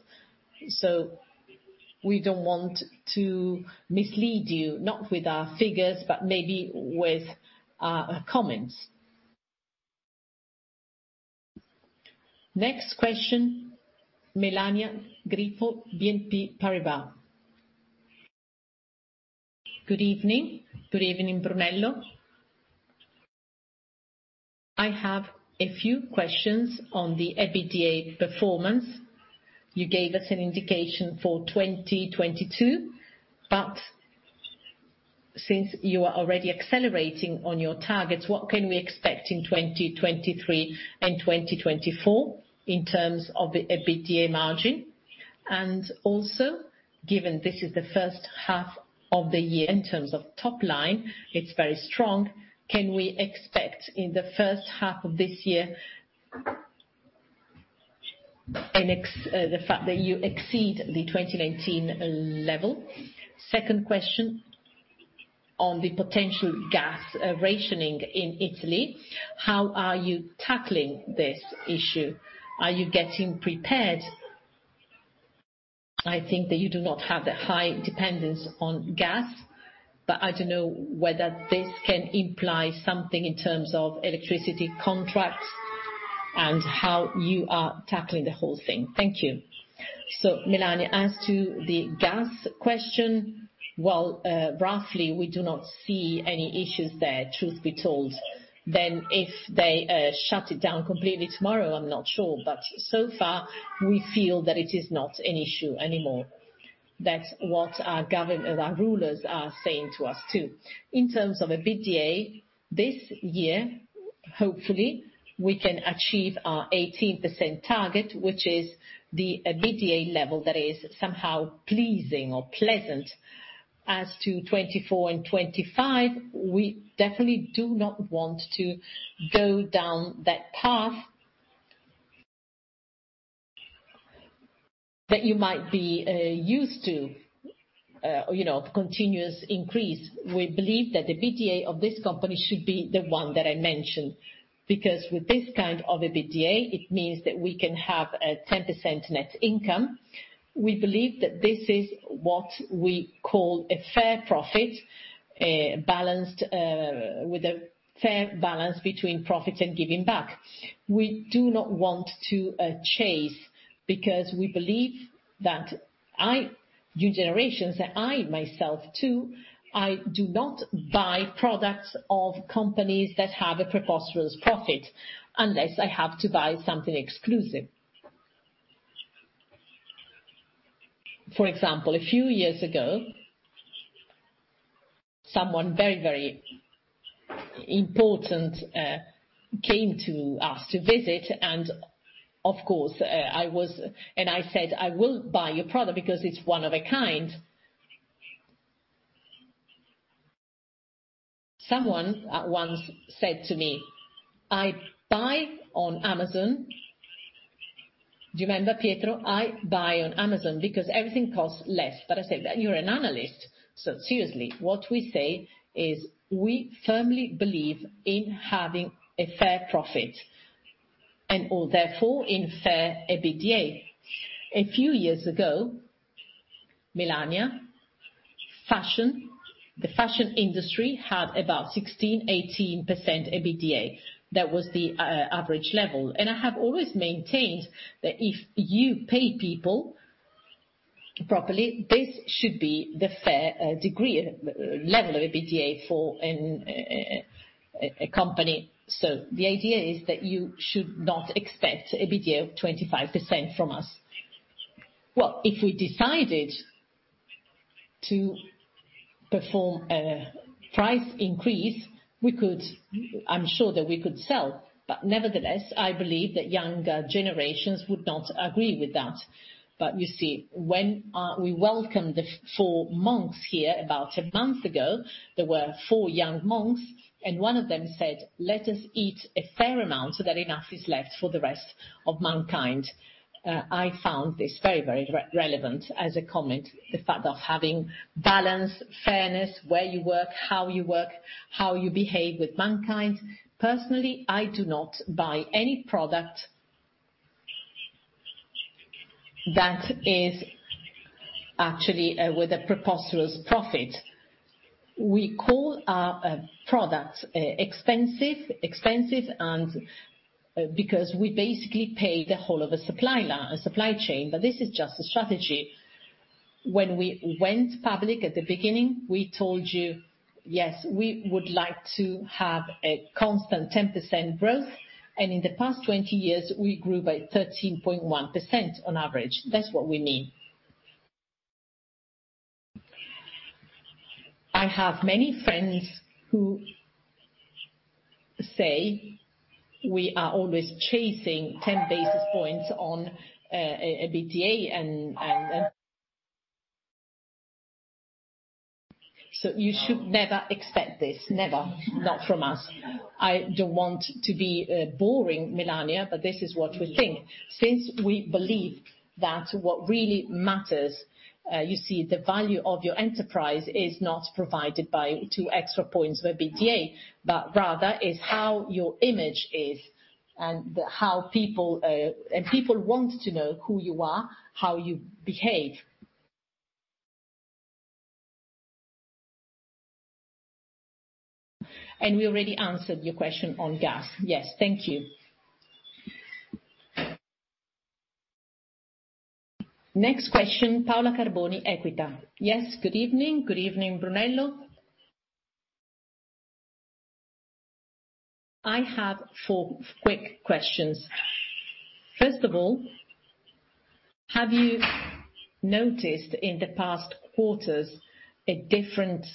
We don't want to mislead you, not with our figures, but maybe with our comments. Next question, Melania Grippo, BNP Paribas. Good evening. Good evening, Brunello. I have a few questions on the EBITDA performance. You gave us an indication for 2022, but since you are already accelerating on your targets, what can we expect in 2023 and 2024 in terms of the EBITDA margin? Also, given this is the first half of the year in terms of top line, it's very strong. Can we expect in the first half of this year the fact that you exceed the 2019 level? Second question on the potential gas rationing in Italy. How are you tackling this issue? Are you getting prepared? I think that you do not have the high dependence on gas, but I don't know whether this can imply something in terms of electricity contracts and how you are tackling the whole thing. Thank you. Melania, as to the gas question, roughly, we do not see any issues there, truth be told. If they shut it down completely tomorrow, I'm not sure. So far, we feel that it is not an issue anymore. That's what our rulers are saying to us, too. In terms of EBITDA, this year, hopefully, we can achieve our 18% target, which is the EBITDA level that is somehow pleasing or pleasant. As to 2024 and 2025, we definitely do not want to go down that path that you might be used to, you know, continuous increase. We believe that the EBITDA of this company should be the one that I mentioned, because with this kind of EBITDA, it means that we can have a 10% net income. We believe that this is what we call a fair profit, a balanced. With a fair balance between profit and giving back. We do not want to chase because we believe that younger generations, I myself too, I do not buy products of companies that have a preposterous profit unless I have to buy something exclusive. For example, a few years ago, someone very, very important came to us to visit, and of course, I said, "I will buy your product because it's one of a kind." Someone once said to me, "I buy on Amazon." Do you remember Pietro? "I buy on Amazon because everything costs less." I said, "You're an Analyst." Seriously, what we say is we firmly believe in having a fair profit and/or therefore in fair EBITDA. A few years ago, Melania, fashion, the fashion industry had about 16%-18% EBITDA. That was the average level. I have always maintained that if you pay people properly, this should be the fair degree level of EBITDA for a company. The idea is that you should not expect EBITDA of 25% from us. Well, if we decided to perform a price increase, we could. I'm sure that we could sell. Nevertheless, I believe that younger generations would not agree with that. You see, when we welcomed the four monks here about a month ago, there were four young monks, and one of them said, "Let us eat a fair amount so that enough is left for the rest of mankind." I found this very relevant as a comment. The fact of having balance, fairness, where you work, how you work, how you behave with mankind. Personally, I do not buy any product that is actually with a preposterous profit. We call our products expensive, and because we basically pay the whole of a supply chain, but this is just a strategy. When we went public at the beginning, we told you, "Yes, we would like to have a constant 10% growth." In the past 20 years, we grew by 13.1% on average. That's what we mean. I have many friends who say we are always chasing 10 basis points on EBITDA and. You should never expect this. Never. Not from us. I don't want to be boring, Melania, but this is what we think. Since we believe that what really matters, you see the value of your enterprise is not provided by two extra points of EBITDA, but rather is how your image is and how people want to know who you are, how you behave. We already answered your question on gas. Yes. Thank you. Next question, Paola Carboni, EQUITA. Yes. Good evening. Good evening, Brunello. I have four quick questions. First of all, have you noticed in the past quarters a different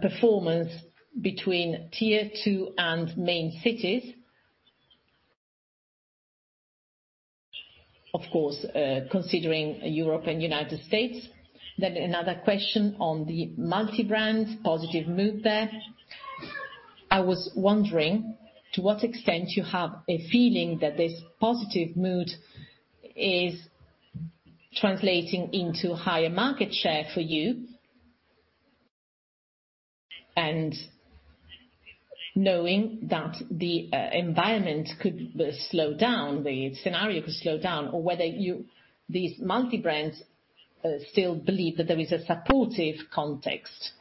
performance between tier two and main cities? Of course, considering Europe and United States. Another question on the multi-brand positive mood there. I was wondering to what extent you have a feeling that this positive mood is translating into higher market share for you. Knowing that the environment could slow down, the scenario could slow down or whether you. These multi-brands still believe that there is a supportive context.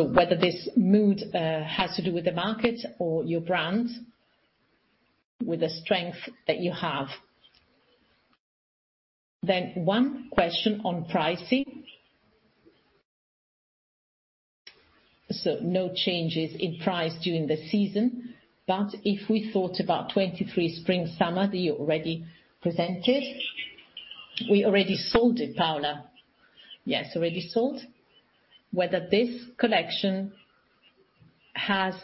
Whether this mood has to do with the market or your brand, with the strength that you have. One question on pricing. No changes in price during the season, but if we thought about 2023 spring summer that you already presented, we already sold it, Paola. Yes, already sold. Whether this collection has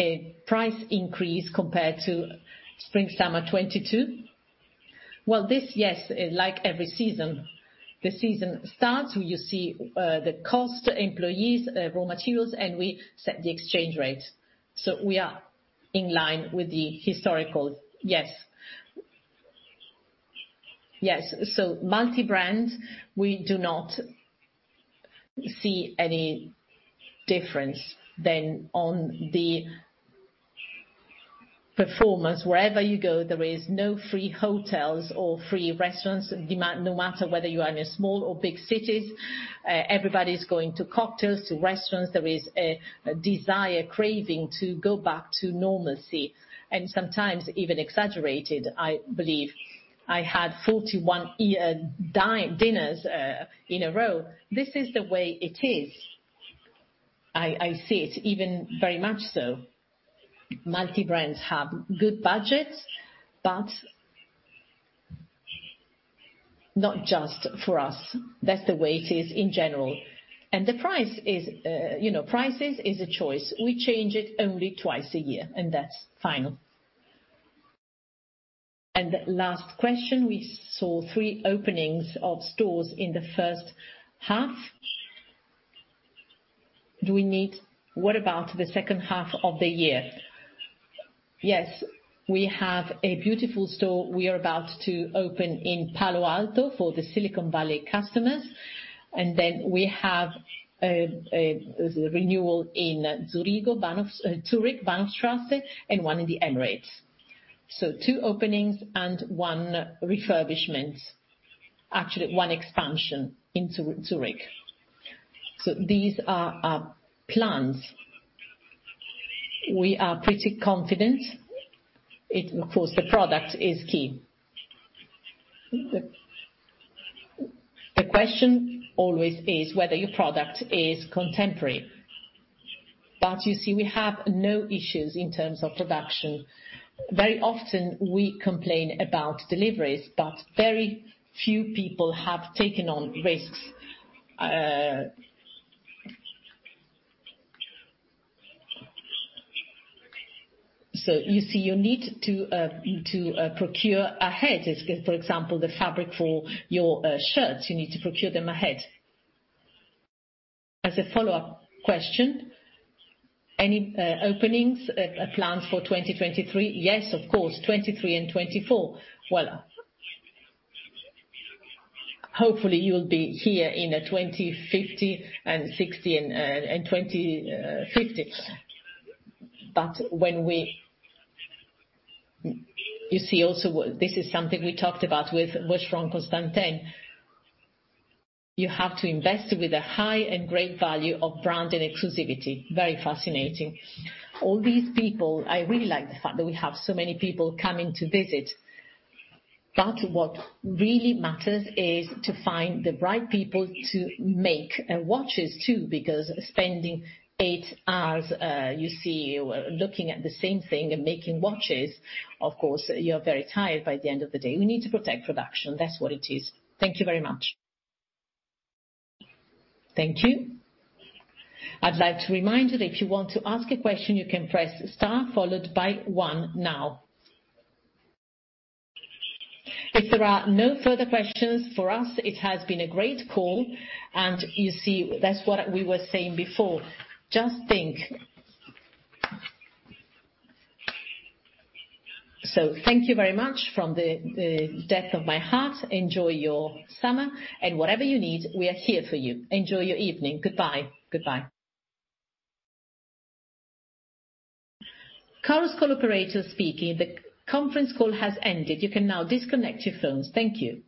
a price increase compared to Spring/Summer 2022. Well, this, yes, like every season, the season starts, you see, the cost, employees, raw materials, and we set the exchange rates. We are in line with the historical, yes. Yes. Multi-brand, we do not see any difference than on the performance. Wherever you go, there is no free hotels or free restaurants, no matter whether you are in a small or big cities, everybody is going to cocktails, to restaurants. There is a desire, craving to go back to normalcy, and sometimes even exaggerated, I believe. I had 41 dinners in a row. This is the way it is. I see it even very much so. Multi-brands have good budgets, but not just for us. That's the way it is in general. The price is, you know, prices is a choice. We change it only twice a year, and that's final. Last question, we saw three openings of stores in the first half. What about the second half of the year? Yes. We have a beautiful store we are about to open in Palo Alto for the Silicon Valley customers. Then we have a renewal in Zurich, Bahnhofstrasse, and one in the Emirates. Two openings and one refurbishment. Actually, one expansion into Zurich. These are our plans. We are pretty confident. Of course, the product is key. The question always is whether your product is contemporary. You see, we have no issues in terms of production. Very often, we complain about deliveries, but very few people have taken on risks. You see, you need to procure ahead. It's, for example, the fabric for your shirts, you need to procure them ahead. As a follow-up question, any openings plans for 2023? Yes, of course, 2023 and 2024. Well. Hopefully, you'll be here in 2050 and 2060 and 2050s. When we, you see, also this is something we talked about with Vacheron Constantin. You have to invest with a high and great value of brand and exclusivity. Very fascinating. All these people, I really like the fact that we have so many people coming to visit. What really matters is to find the right people to make watches too, because spending eight hours, you see, looking at the same thing and making watches, of course, you're very tired by the end of the day. We need to protect production. That's what it is. Thank you very much. Thank you. I'd like to remind you that if you want to ask a question, you can press star followed by one now. If there are no further questions for us, it has been a great call. You see, that's what we were saying before. Just think. Thank you very much from the depth of my heart. Enjoy your summer. Whatever you need, we are here for you. Enjoy your evening. Goodbye. Goodbye. Chorus Call operator speaking. The conference call has ended. You can now disconnect your phones. Thank you.